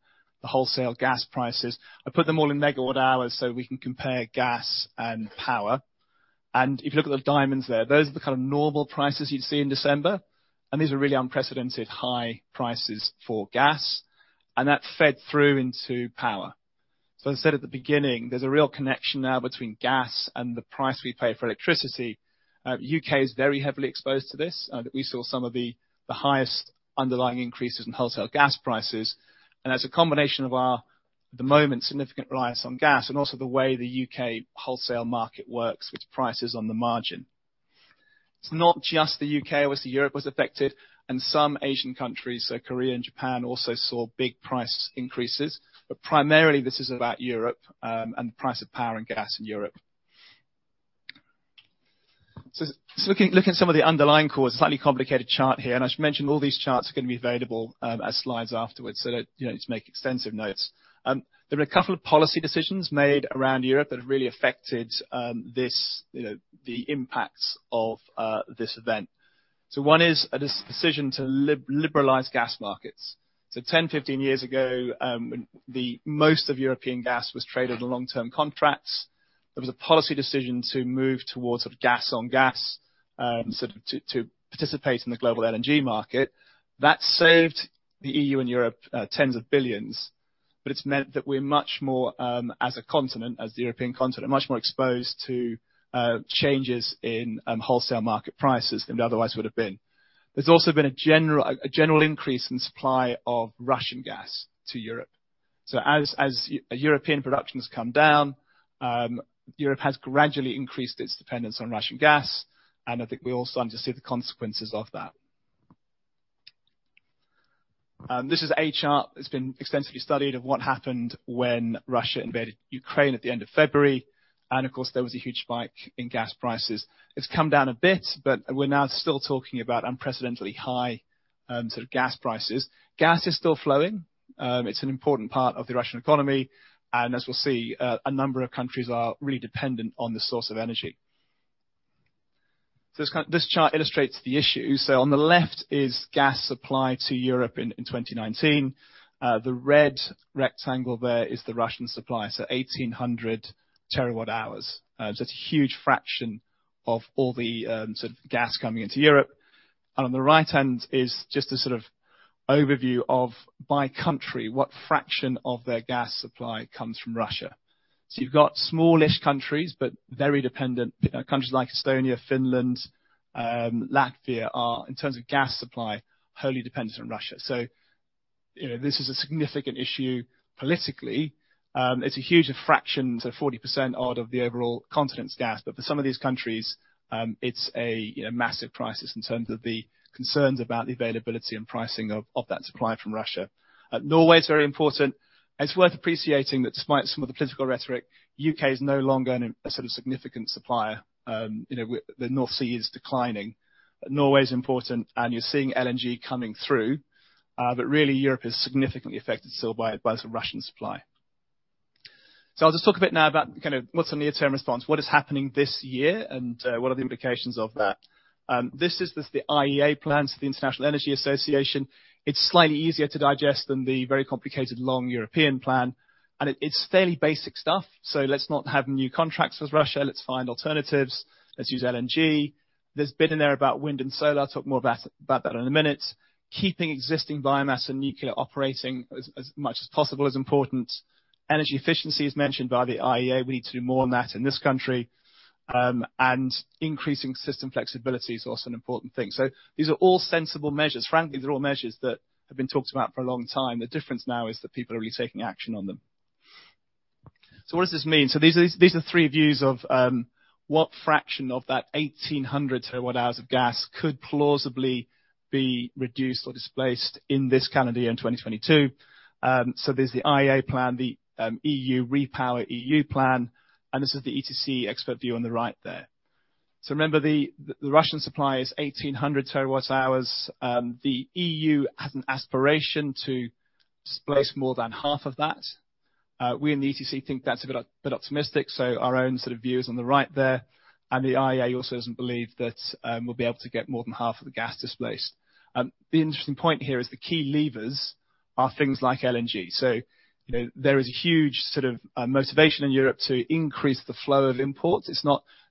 wholesale gas prices. I put them all in megawatt-hours, so we can compare gas and power. If you look at the diamonds there, those are the kind of normal prices you'd see in December. These are really unprecedented high prices for gas, and that fed through into power. As I said at the beginning, there's a real connection now between gas and the price we pay for electricity. U.K. is very heavily exposed to this. We saw some of the highest underlying increases in wholesale gas prices. As a combination of our, at the moment, significant reliance on gas and also the way the U.K. wholesale market works with prices on the margin. It's not just the U.K., obviously. Europe was affected and some Asian countries, so Korea and Japan, also saw big price increases. Primarily this is about Europe, and the price of power and gas in Europe. Looking at some of the underlying causes, slightly complicated chart here, and I should mention all these charts are gonna be available, as slides afterwards, so, you know, don't need to make extensive notes. There were a couple of policy decisions made around Europe that have really affected this, you know, the impacts of this event. One is a decision to liberalize gas markets. 10, 15 years ago, when the most of European gas was traded on long-term contracts, there was a policy decision to move towards sort of gas on gas, sort of to participate in the global LNG market. That saved the EU and Europe EUR tens of billions. It's meant that we're much more, as a continent, as the European continent, much more exposed to changes in wholesale market prices than we otherwise would have been. There's also been a general increase in supply of Russian gas to Europe. European production has come down, Europe has gradually increased its dependence on Russian gas, and I think we're all starting to see the consequences of that. This is a chart that's been extensively studied of what happened when Russia invaded Ukraine at the end of February, and of course, there was a huge spike in gas prices. It's come down a bit, but we're now still talking about unprecedentedly high, sort of gas prices. Gas is still flowing. It's an important part of the Russian economy, and as we'll see, a number of countries are really dependent on this source of energy. This chart illustrates the issue. On the left is gas supply to Europe in 2019. The red rectangle there is the Russian supply, so 1800 terawatt-hours. So it's a huge fraction of all the, sort of gas coming into Europe. On the right-hand is just a sort of overview of by country, what fraction of their gas supply comes from Russia. You've got smallish countries, but very dependent. Countries like Estonia, Finland, Latvia are, in terms of gas supply, wholly dependent on Russia. You know, this is a significant issue politically. It's a huge fraction to 40% odd of the overall continent's gas. But for some of these countries, it's a massive crisis in terms of the concerns about the availability and pricing of that supply from Russia. Norway's very important. It's worth appreciating that despite some of the political rhetoric, U.K. is no longer a sort of significant supplier, with the North Sea declining. Norway's important, and you're seeing LNG coming through. Really, Europe is significantly affected still by the Russian supply. I'll just talk a bit now about kind of what's the near-term response, what is happening this year, and what are the implications of that. This is just the IEA plans, the International Energy Agency. It's slightly easier to digest than the very complicated long European plan, and it's fairly basic stuff, so let's not have new contracts with Russia. Let's find alternatives. Let's use LNG. There's a bit in there about wind and solar. I'll talk more about that in a minute. Keeping existing biomass and nuclear operating as much as possible is important. Energy efficiency is mentioned by the IEA. We need to do more on that in this country. Increasing system flexibility is also an important thing. These are all sensible measures. Frankly, they're all measures that have been talked about for a long time. The difference now is that people are really taking action on them. What does this mean? These are three views of what fraction of that 1,800 terawatt-hours of gas could plausibly be reduced or displaced in this calendar year, in 2022. There's the IEA plan, the EU REPowerEU plan, and this is the ETC expert view on the right there. Remember the Russian supply is 1,800 terawatt-hours. The EU has an aspiration to displace more than half of that. We in the ETC think that's a bit optimistic, so our own sort of view is on the right there. The IEA also doesn't believe that we'll be able to get more than half of the gas displaced. The interesting point here is the key levers are things like LNG. You know, there is a huge sort of motivation in Europe to increase the flow of imports.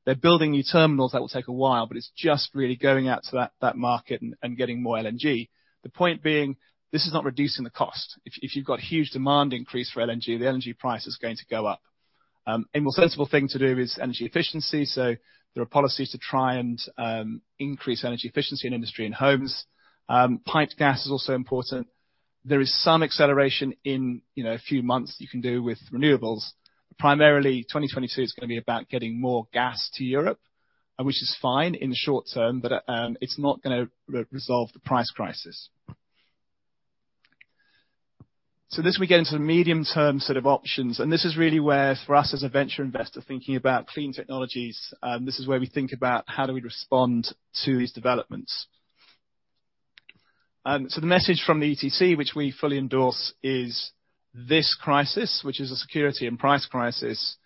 They're building new terminals that will take a while, but it's just really going out to that market and getting more LNG. The point being, this is not reducing the cost. If you've got huge demand increase for LNG, the energy price is going to go up. A more sensible thing to do is energy efficiency. There are policies to try and increase energy efficiency in industry and homes. Piped gas is also important. There is some acceleration in, you know, a few months you can do with renewables. Primarily, 2022 is gonna be about getting more gas to Europe, which is fine in the short term, but it's not gonna resolve the price crisis. This, we get into the medium-term sort of options, and this is really where for us as a venture investor thinking about clean technologies, this is where we think about how do we respond to these developments. The message from the ETC, which we fully endorse, is this crisis, which is a security and price crisis,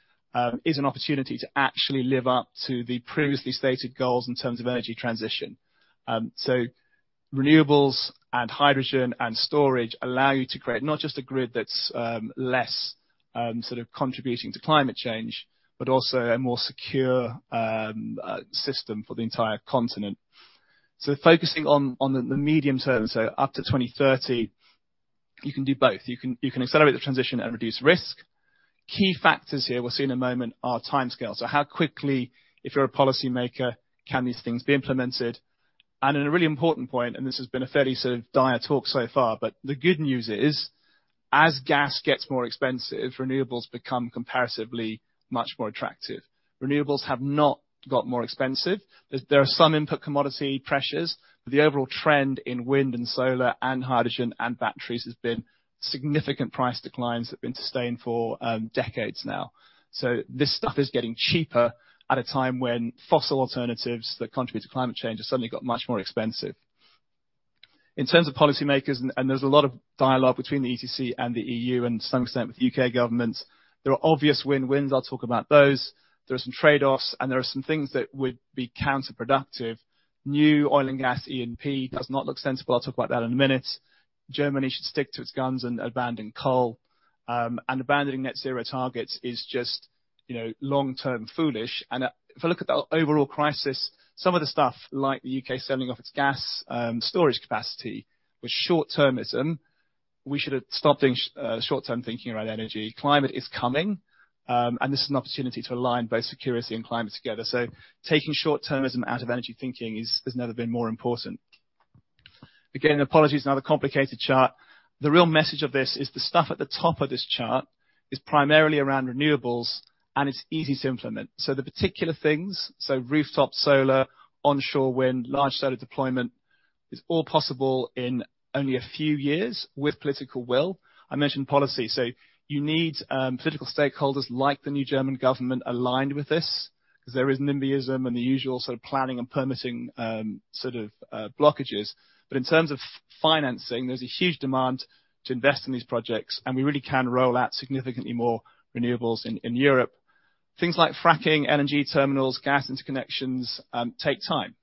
is an opportunity to actually live up to the previously stated goals in terms of energy transition. Renewables and hydrogen and storage allow you to create not just a grid that's less sort of contributing to climate change, but also a more secure system for the entire continent. Focusing on the medium term, up to 2030, you can do both. You can accelerate the transition and reduce risk. Key factors here, we'll see in a moment, are timescale. How quickly, if you're a policy maker, can these things be implemented? A really important point, and this has been a fairly sort of dire talk so far, but the good news is, as gas gets more expensive, renewables become comparatively much more attractive. Renewables have not got more expensive. There are some input commodity pressures, but the overall trend in wind and solar and hydrogen and batteries has been significant price declines that have been sustained for decades now. This stuff is getting cheaper at a time when fossil alternatives that contribute to climate change have suddenly got much more expensive. In terms of policymakers, there's a lot of dialogue between the ETC and the EU and to some extent with U.K. government, there are obvious win-wins. I'll talk about those. There are some trade-offs, and there are some things that would be counterproductive. New oil and gas E&P does not look sensible. I'll talk about that in a minute. Germany should stick to its guns and abandon coal. Abandoning net zero targets is just, you know, long-term foolish. If I look at the overall crisis, some of the stuff like the U.K. selling off its gas storage capacity was short-termism. We should have stopped doing short-term thinking around energy. Climate is coming, and this is an opportunity to align both security and climate together. Taking short-termism out of energy thinking is has never been more important. Again, apologies, another complicated chart. The real message of this is the stuff at the top of this chart is primarily around renewables, and it's easy to implement. The particular things, rooftop solar, onshore wind, large-scale deployment, is all possible in only a few years with political will. I mentioned policy. You need political stakeholders like the new German government aligned with this, 'cause there is NIMBYism and the usual sort of planning and permitting, sort of, blockages. In terms of financing, there's a huge demand to invest in these projects, and we really can roll out significantly more renewables in Europe. Things like fracking, LNG terminals, gas interconnections, take time.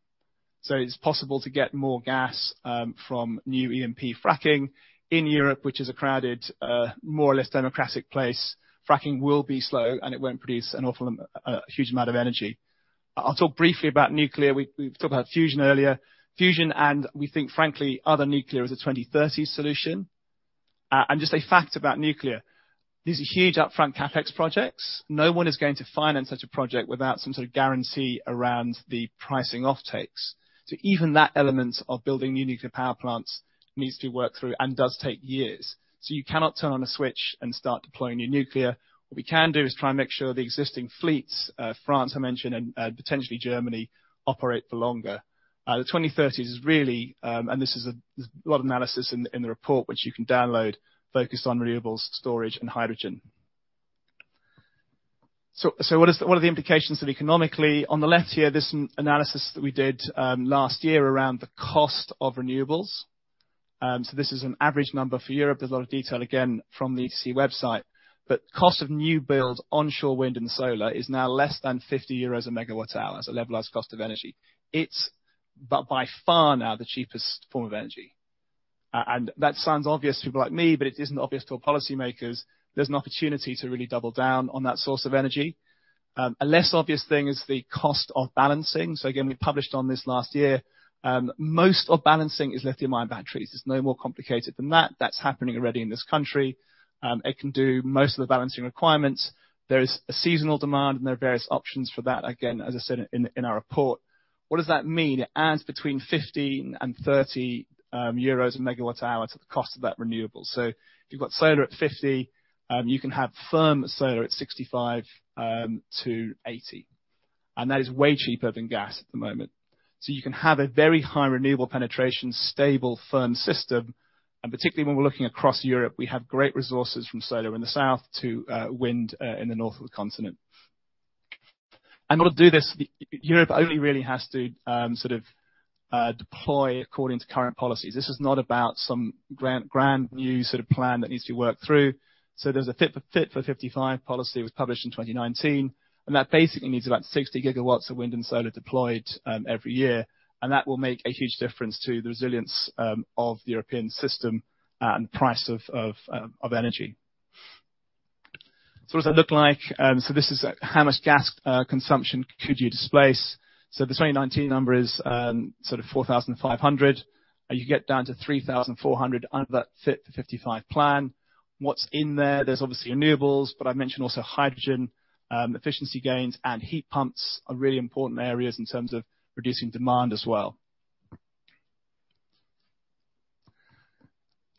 It's possible to get more gas from new EMP fracking in Europe, which is a crowded, more or less democratic place. Fracking will be slow, and it won't produce a huge amount of energy. I'll talk briefly about nuclear. We've talked about fusion earlier. Fusion and we think frankly other nuclear is a 20-30 solution. Just a fact about nuclear. These are huge upfront CapEx projects. No one is going to finance such a project without some sort of guarantee around the pricing offtakes. Even that element of building new nuclear power plants needs to be worked through and does take years. You cannot turn on a switch and start deploying new nuclear. What we can do is try and make sure the existing fleets, France, I mentioned, and potentially Germany, operate for longer. The 2030s is really. There's a lot of analysis in the report which you can download, focused on renewables, storage and hydrogen. So what are the implications economically? On the left here, this analysis that we did last year around the cost of renewables. This is an average number for Europe. There's a lot of detail again from the EC website. Cost of new builds, onshore wind and solar is now less than 50 euros a megawatt-hour as a levelized cost of energy. It's by far now the cheapest form of energy. That sounds obvious to people like me, but it isn't obvious to our policymakers. There's an opportunity to really double down on that source of energy. A less obvious thing is the cost of balancing. Again, we published on this last year. Most of balancing is lithium-ion batteries. It's no more complicated than that. That's happening already in this country. It can do most of the balancing requirements. There is a seasonal demand, and there are various options for that. Again, as I said in our report. What does that mean? It adds between 15 and 30 euros a megawatt-hour to the cost of that renewable. If you've got solar at 50, you can have firm solar at 65 to 80, and that is way cheaper than gas at the moment. You can have a very high renewable penetration, stable, firm system, and particularly when we're looking across Europe, we have great resources from solar in the south to wind in the north of the continent. In order to do this, Europe only really has to sort of deploy according to current policies. This is not about some grand new sort of plan that needs to be worked through. There's a Fit for 55 policy that was published in 2019, and that basically means about 60 gigawatts of wind and solar deployed every year. That will make a huge difference to the resilience of the European system and price of energy. What does that look like? This is how much gas consumption could you displace. The 2019 number is sort of 4,500, and you get down to 3,400 under that Fit for 55 plan. What's in there? There's obviously renewables, but I mentioned also hydrogen, efficiency gains and heat pumps are really important areas in terms of reducing demand as well.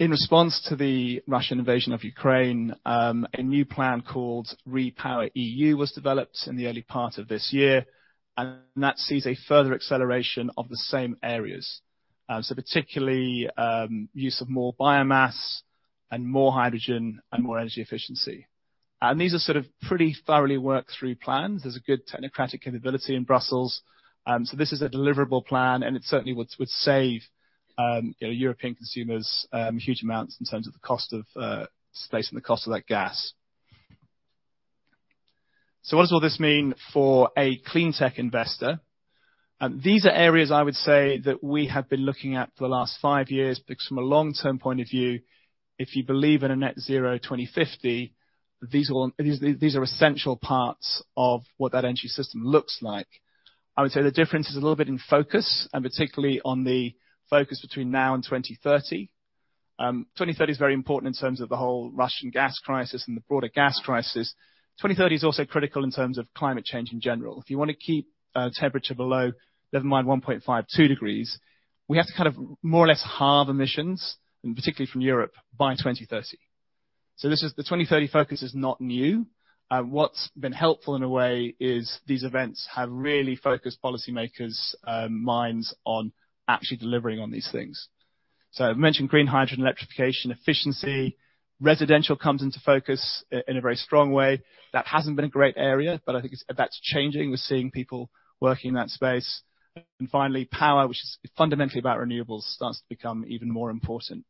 In response to the Russian invasion of Ukraine, a new plan called REPowerEU was developed in the early part of this year, and that sees a further acceleration of the same areas. Particularly, use of more biomass and more hydrogen and more energy efficiency. These are sort of pretty thoroughly worked through plans. There's a good technocratic capability in Brussels. This is a deliverable plan, and it certainly would save, you know, European consumers huge amounts in terms of the spiking cost of that gas. What does all this mean for a CleanTech investor? These are areas I would say that we have been looking at for the last five years, because from a long-term point of view, if you believe in a net zero 2050, these are essential parts of what that energy system looks like. I would say the difference is a little bit in focus and particularly on the focus between now and 2030. 2030 is very important in terms of the whole Russian gas crisis and the broader gas crisis. 2030 is also critical in terms of climate change in general. If you wanna keep temperature below, never mind 1.5 to 2 degrees, we have to kind of more or less halve emissions, and particularly from Europe, by 2030. The 2030 focus is not new. What's been helpful in a way is these events have really focused policymakers' minds on actually delivering on these things. I've mentioned green hydrogen, electrification, efficiency. Residential comes into focus in a very strong way. That hasn't been a great area, but I think that's changing. We're seeing people working in that space. Finally, power, which is fundamentally about renewables, starts to become even more important.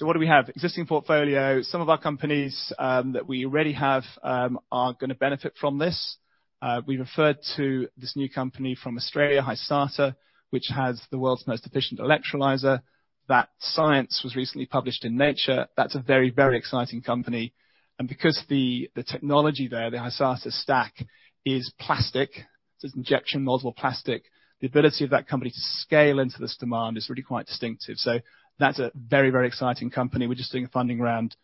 What do we have? Existing portfolio. Some of our companies that we already have are gonna benefit from this. We referred to this new company from Australia, Hysata, which has the world's most efficient electrolyzer. That science was recently published in Nature. That's a very, very exciting company. Because the technology there, the Hysata stack, is plastic, it's injection molded plastic, the ability of that company to scale into this demand is really quite distinctive. That's a very, very exciting company. We're just doing a funding round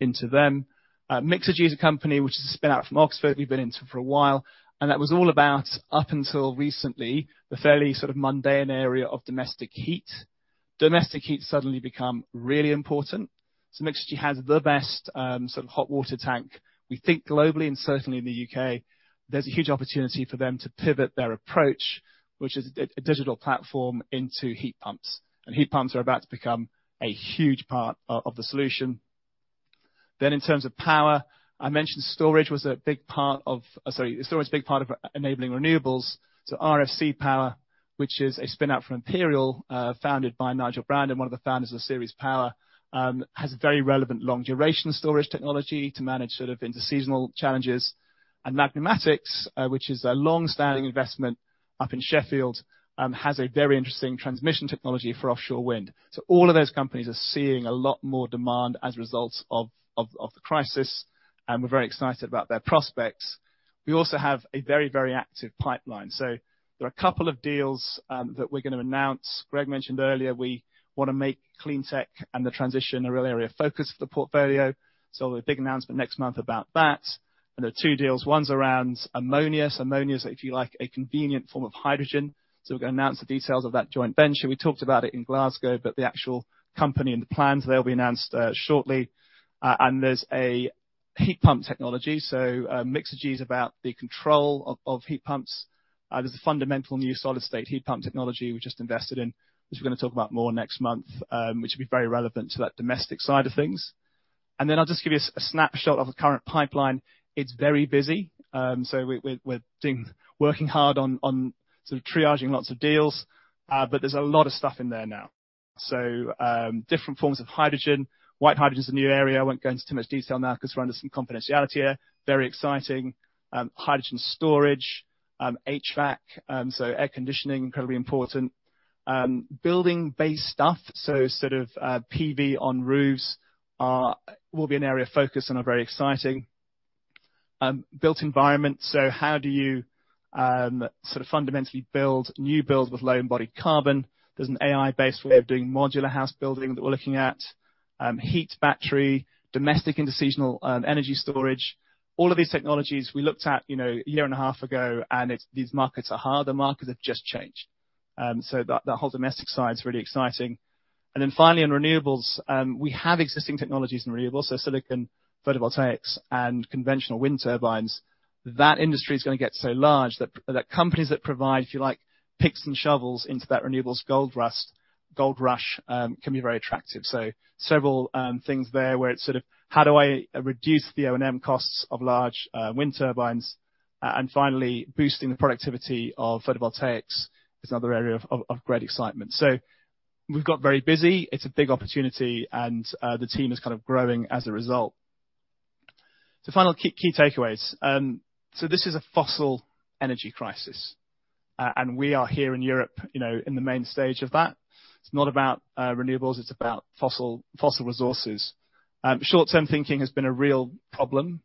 into them. Mixergy is a company which has spin out from Oxford. We've been in it for a while, and that was all about, up until recently, the fairly sort of mundane area of domestic heat. Domestic heat suddenly become really important. Mixergy has the best sort of hot water tank. We think globally and certainly in the U.K., there's a huge opportunity for them to pivot their approach, which is a digital platform into heat pumps, and heat pumps are about to become a huge part of the solution. In terms of power, I mentioned storage was a big part of... Sorry. Storage is a big part of enabling renewables. RFC Power, which is a spin out from Imperial, founded by Nigel Brandon, one of the founders of Ceres Power, has a very relevant long duration storage technology to manage sort of interseasonal challenges. Magnomatics, which is a long-standing investment up in Sheffield, has a very interesting transmission technology for offshore wind. All of those companies are seeing a lot more demand as a result of the crisis. We're very excited about their prospects. We also have a very, very active pipeline. There are a couple of deals that we're gonna announce. Greg mentioned earlier we wanna make CleanTech and the transition a real area of focus for the portfolio, so a big announcement next month about that. There are two deals. One's around ammonia. Ammonia is, if you like, a convenient form of hydrogen, so we're gonna announce the details of that joint venture. We talked about it in Glasgow, but the actual company and the plans, they'll be announced shortly. There's a heat pump technology, so Mixergy is about the control of heat pumps. There's a fundamental new solid-state heat pump technology we just invested in, which we're gonna talk about more next month, which will be very relevant to that domestic side of things. I'll just give you a snapshot of the current pipeline. It's very busy, so we're working hard on sort of triaging lots of deals, but there's a lot of stuff in there now. Different forms of hydrogen. White hydrogen's a new area. I won't go into too much detail now 'cause we're under some confidentiality here. Very exciting. Hydrogen storage, HVAC, so air conditioning, incredibly important. Building-based stuff, so sort of, PV on roofs are, will be an area of focus and are very exciting. Built environment, so how do you sort of fundamentally build new builds with low-embodied carbon? There's an AI-based way of doing modular house building that we're looking at. Heat battery, domestic and seasonal, energy storage. All of these technologies we looked at, you know, a year and a half ago, and it's these markets are harder. Markets have just changed. So that whole domestic side's really exciting. Then finally, in renewables, we have existing technologies in renewables, so silicon, photovoltaics, and conventional wind turbines. That industry is gonna get so large that companies that provide, if you like, picks and shovels into that renewables gold rush can be very attractive. Several things there where it's sort of how do I reduce the O&M costs of large wind turbines? Finally, boosting the productivity of photovoltaics is another area of great excitement. We've got very busy. It's a big opportunity, and the team is kind of growing as a result. Final key takeaways. This is a fossil energy crisis, and we are here in Europe, you know, in the main stage of that. It's not about renewables, it's about fossil resources. Short-term thinking has been a real problem,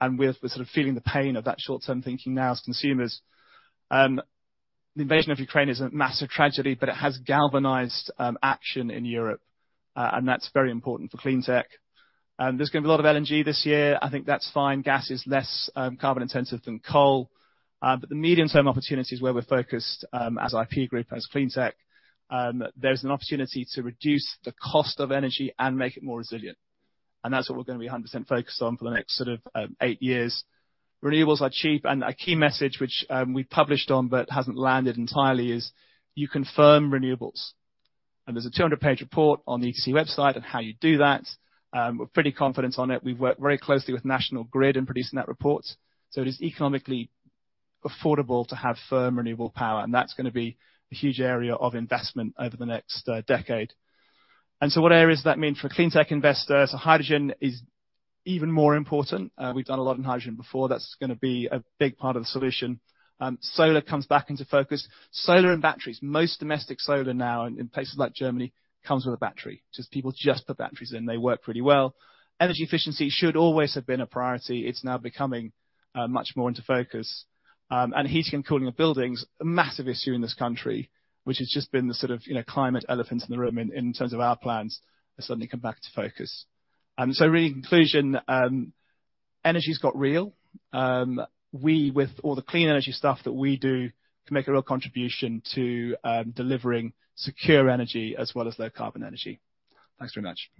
and we're sort of feeling the pain of that short-term thinking now as consumers. The invasion of Ukraine is a massive tragedy, but it has galvanized action in Europe, and that's very important for CleanTech. There's gonna be a lot of LNG this year. I think that's fine. Gas is less carbon-intensive than coal. But the medium-term opportunity is where we're focused, as IP Group, as CleanTech. There's an opportunity to reduce the cost of energy and make it more resilient, and that's what we're gonna be 100% focused on for the next sort of 8 years. Renewables are cheap, and a key message which we've published on but hasn't landed entirely is you confirm renewables. There's a 200-page report on the EC website on how you do that. We're pretty confident on it. We've worked very closely with National Grid in producing that report. It is economically affordable to have firm renewable power, and that's gonna be a huge area of investment over the next decade. What areas does that mean for a CleanTech investor? Hydrogen is even more important. We've done a lot on hydrogen before. That's gonna be a big part of the solution. Solar comes back into focus. Solar and batteries. Most domestic solar now in places like Germany comes with a battery. People just put batteries in. They work pretty well. Energy efficiency should always have been a priority. It's now becoming much more into focus. Heating and cooling of buildings, a massive issue in this country, which has just been the sort of, you know, climate elephant in the room in terms of our plans, has suddenly come back to focus. In conclusion, energy's got real. We, with all the clean energy stuff that we do, can make a real contribution to delivering secure energy as well as low carbon energy. Thanks very much.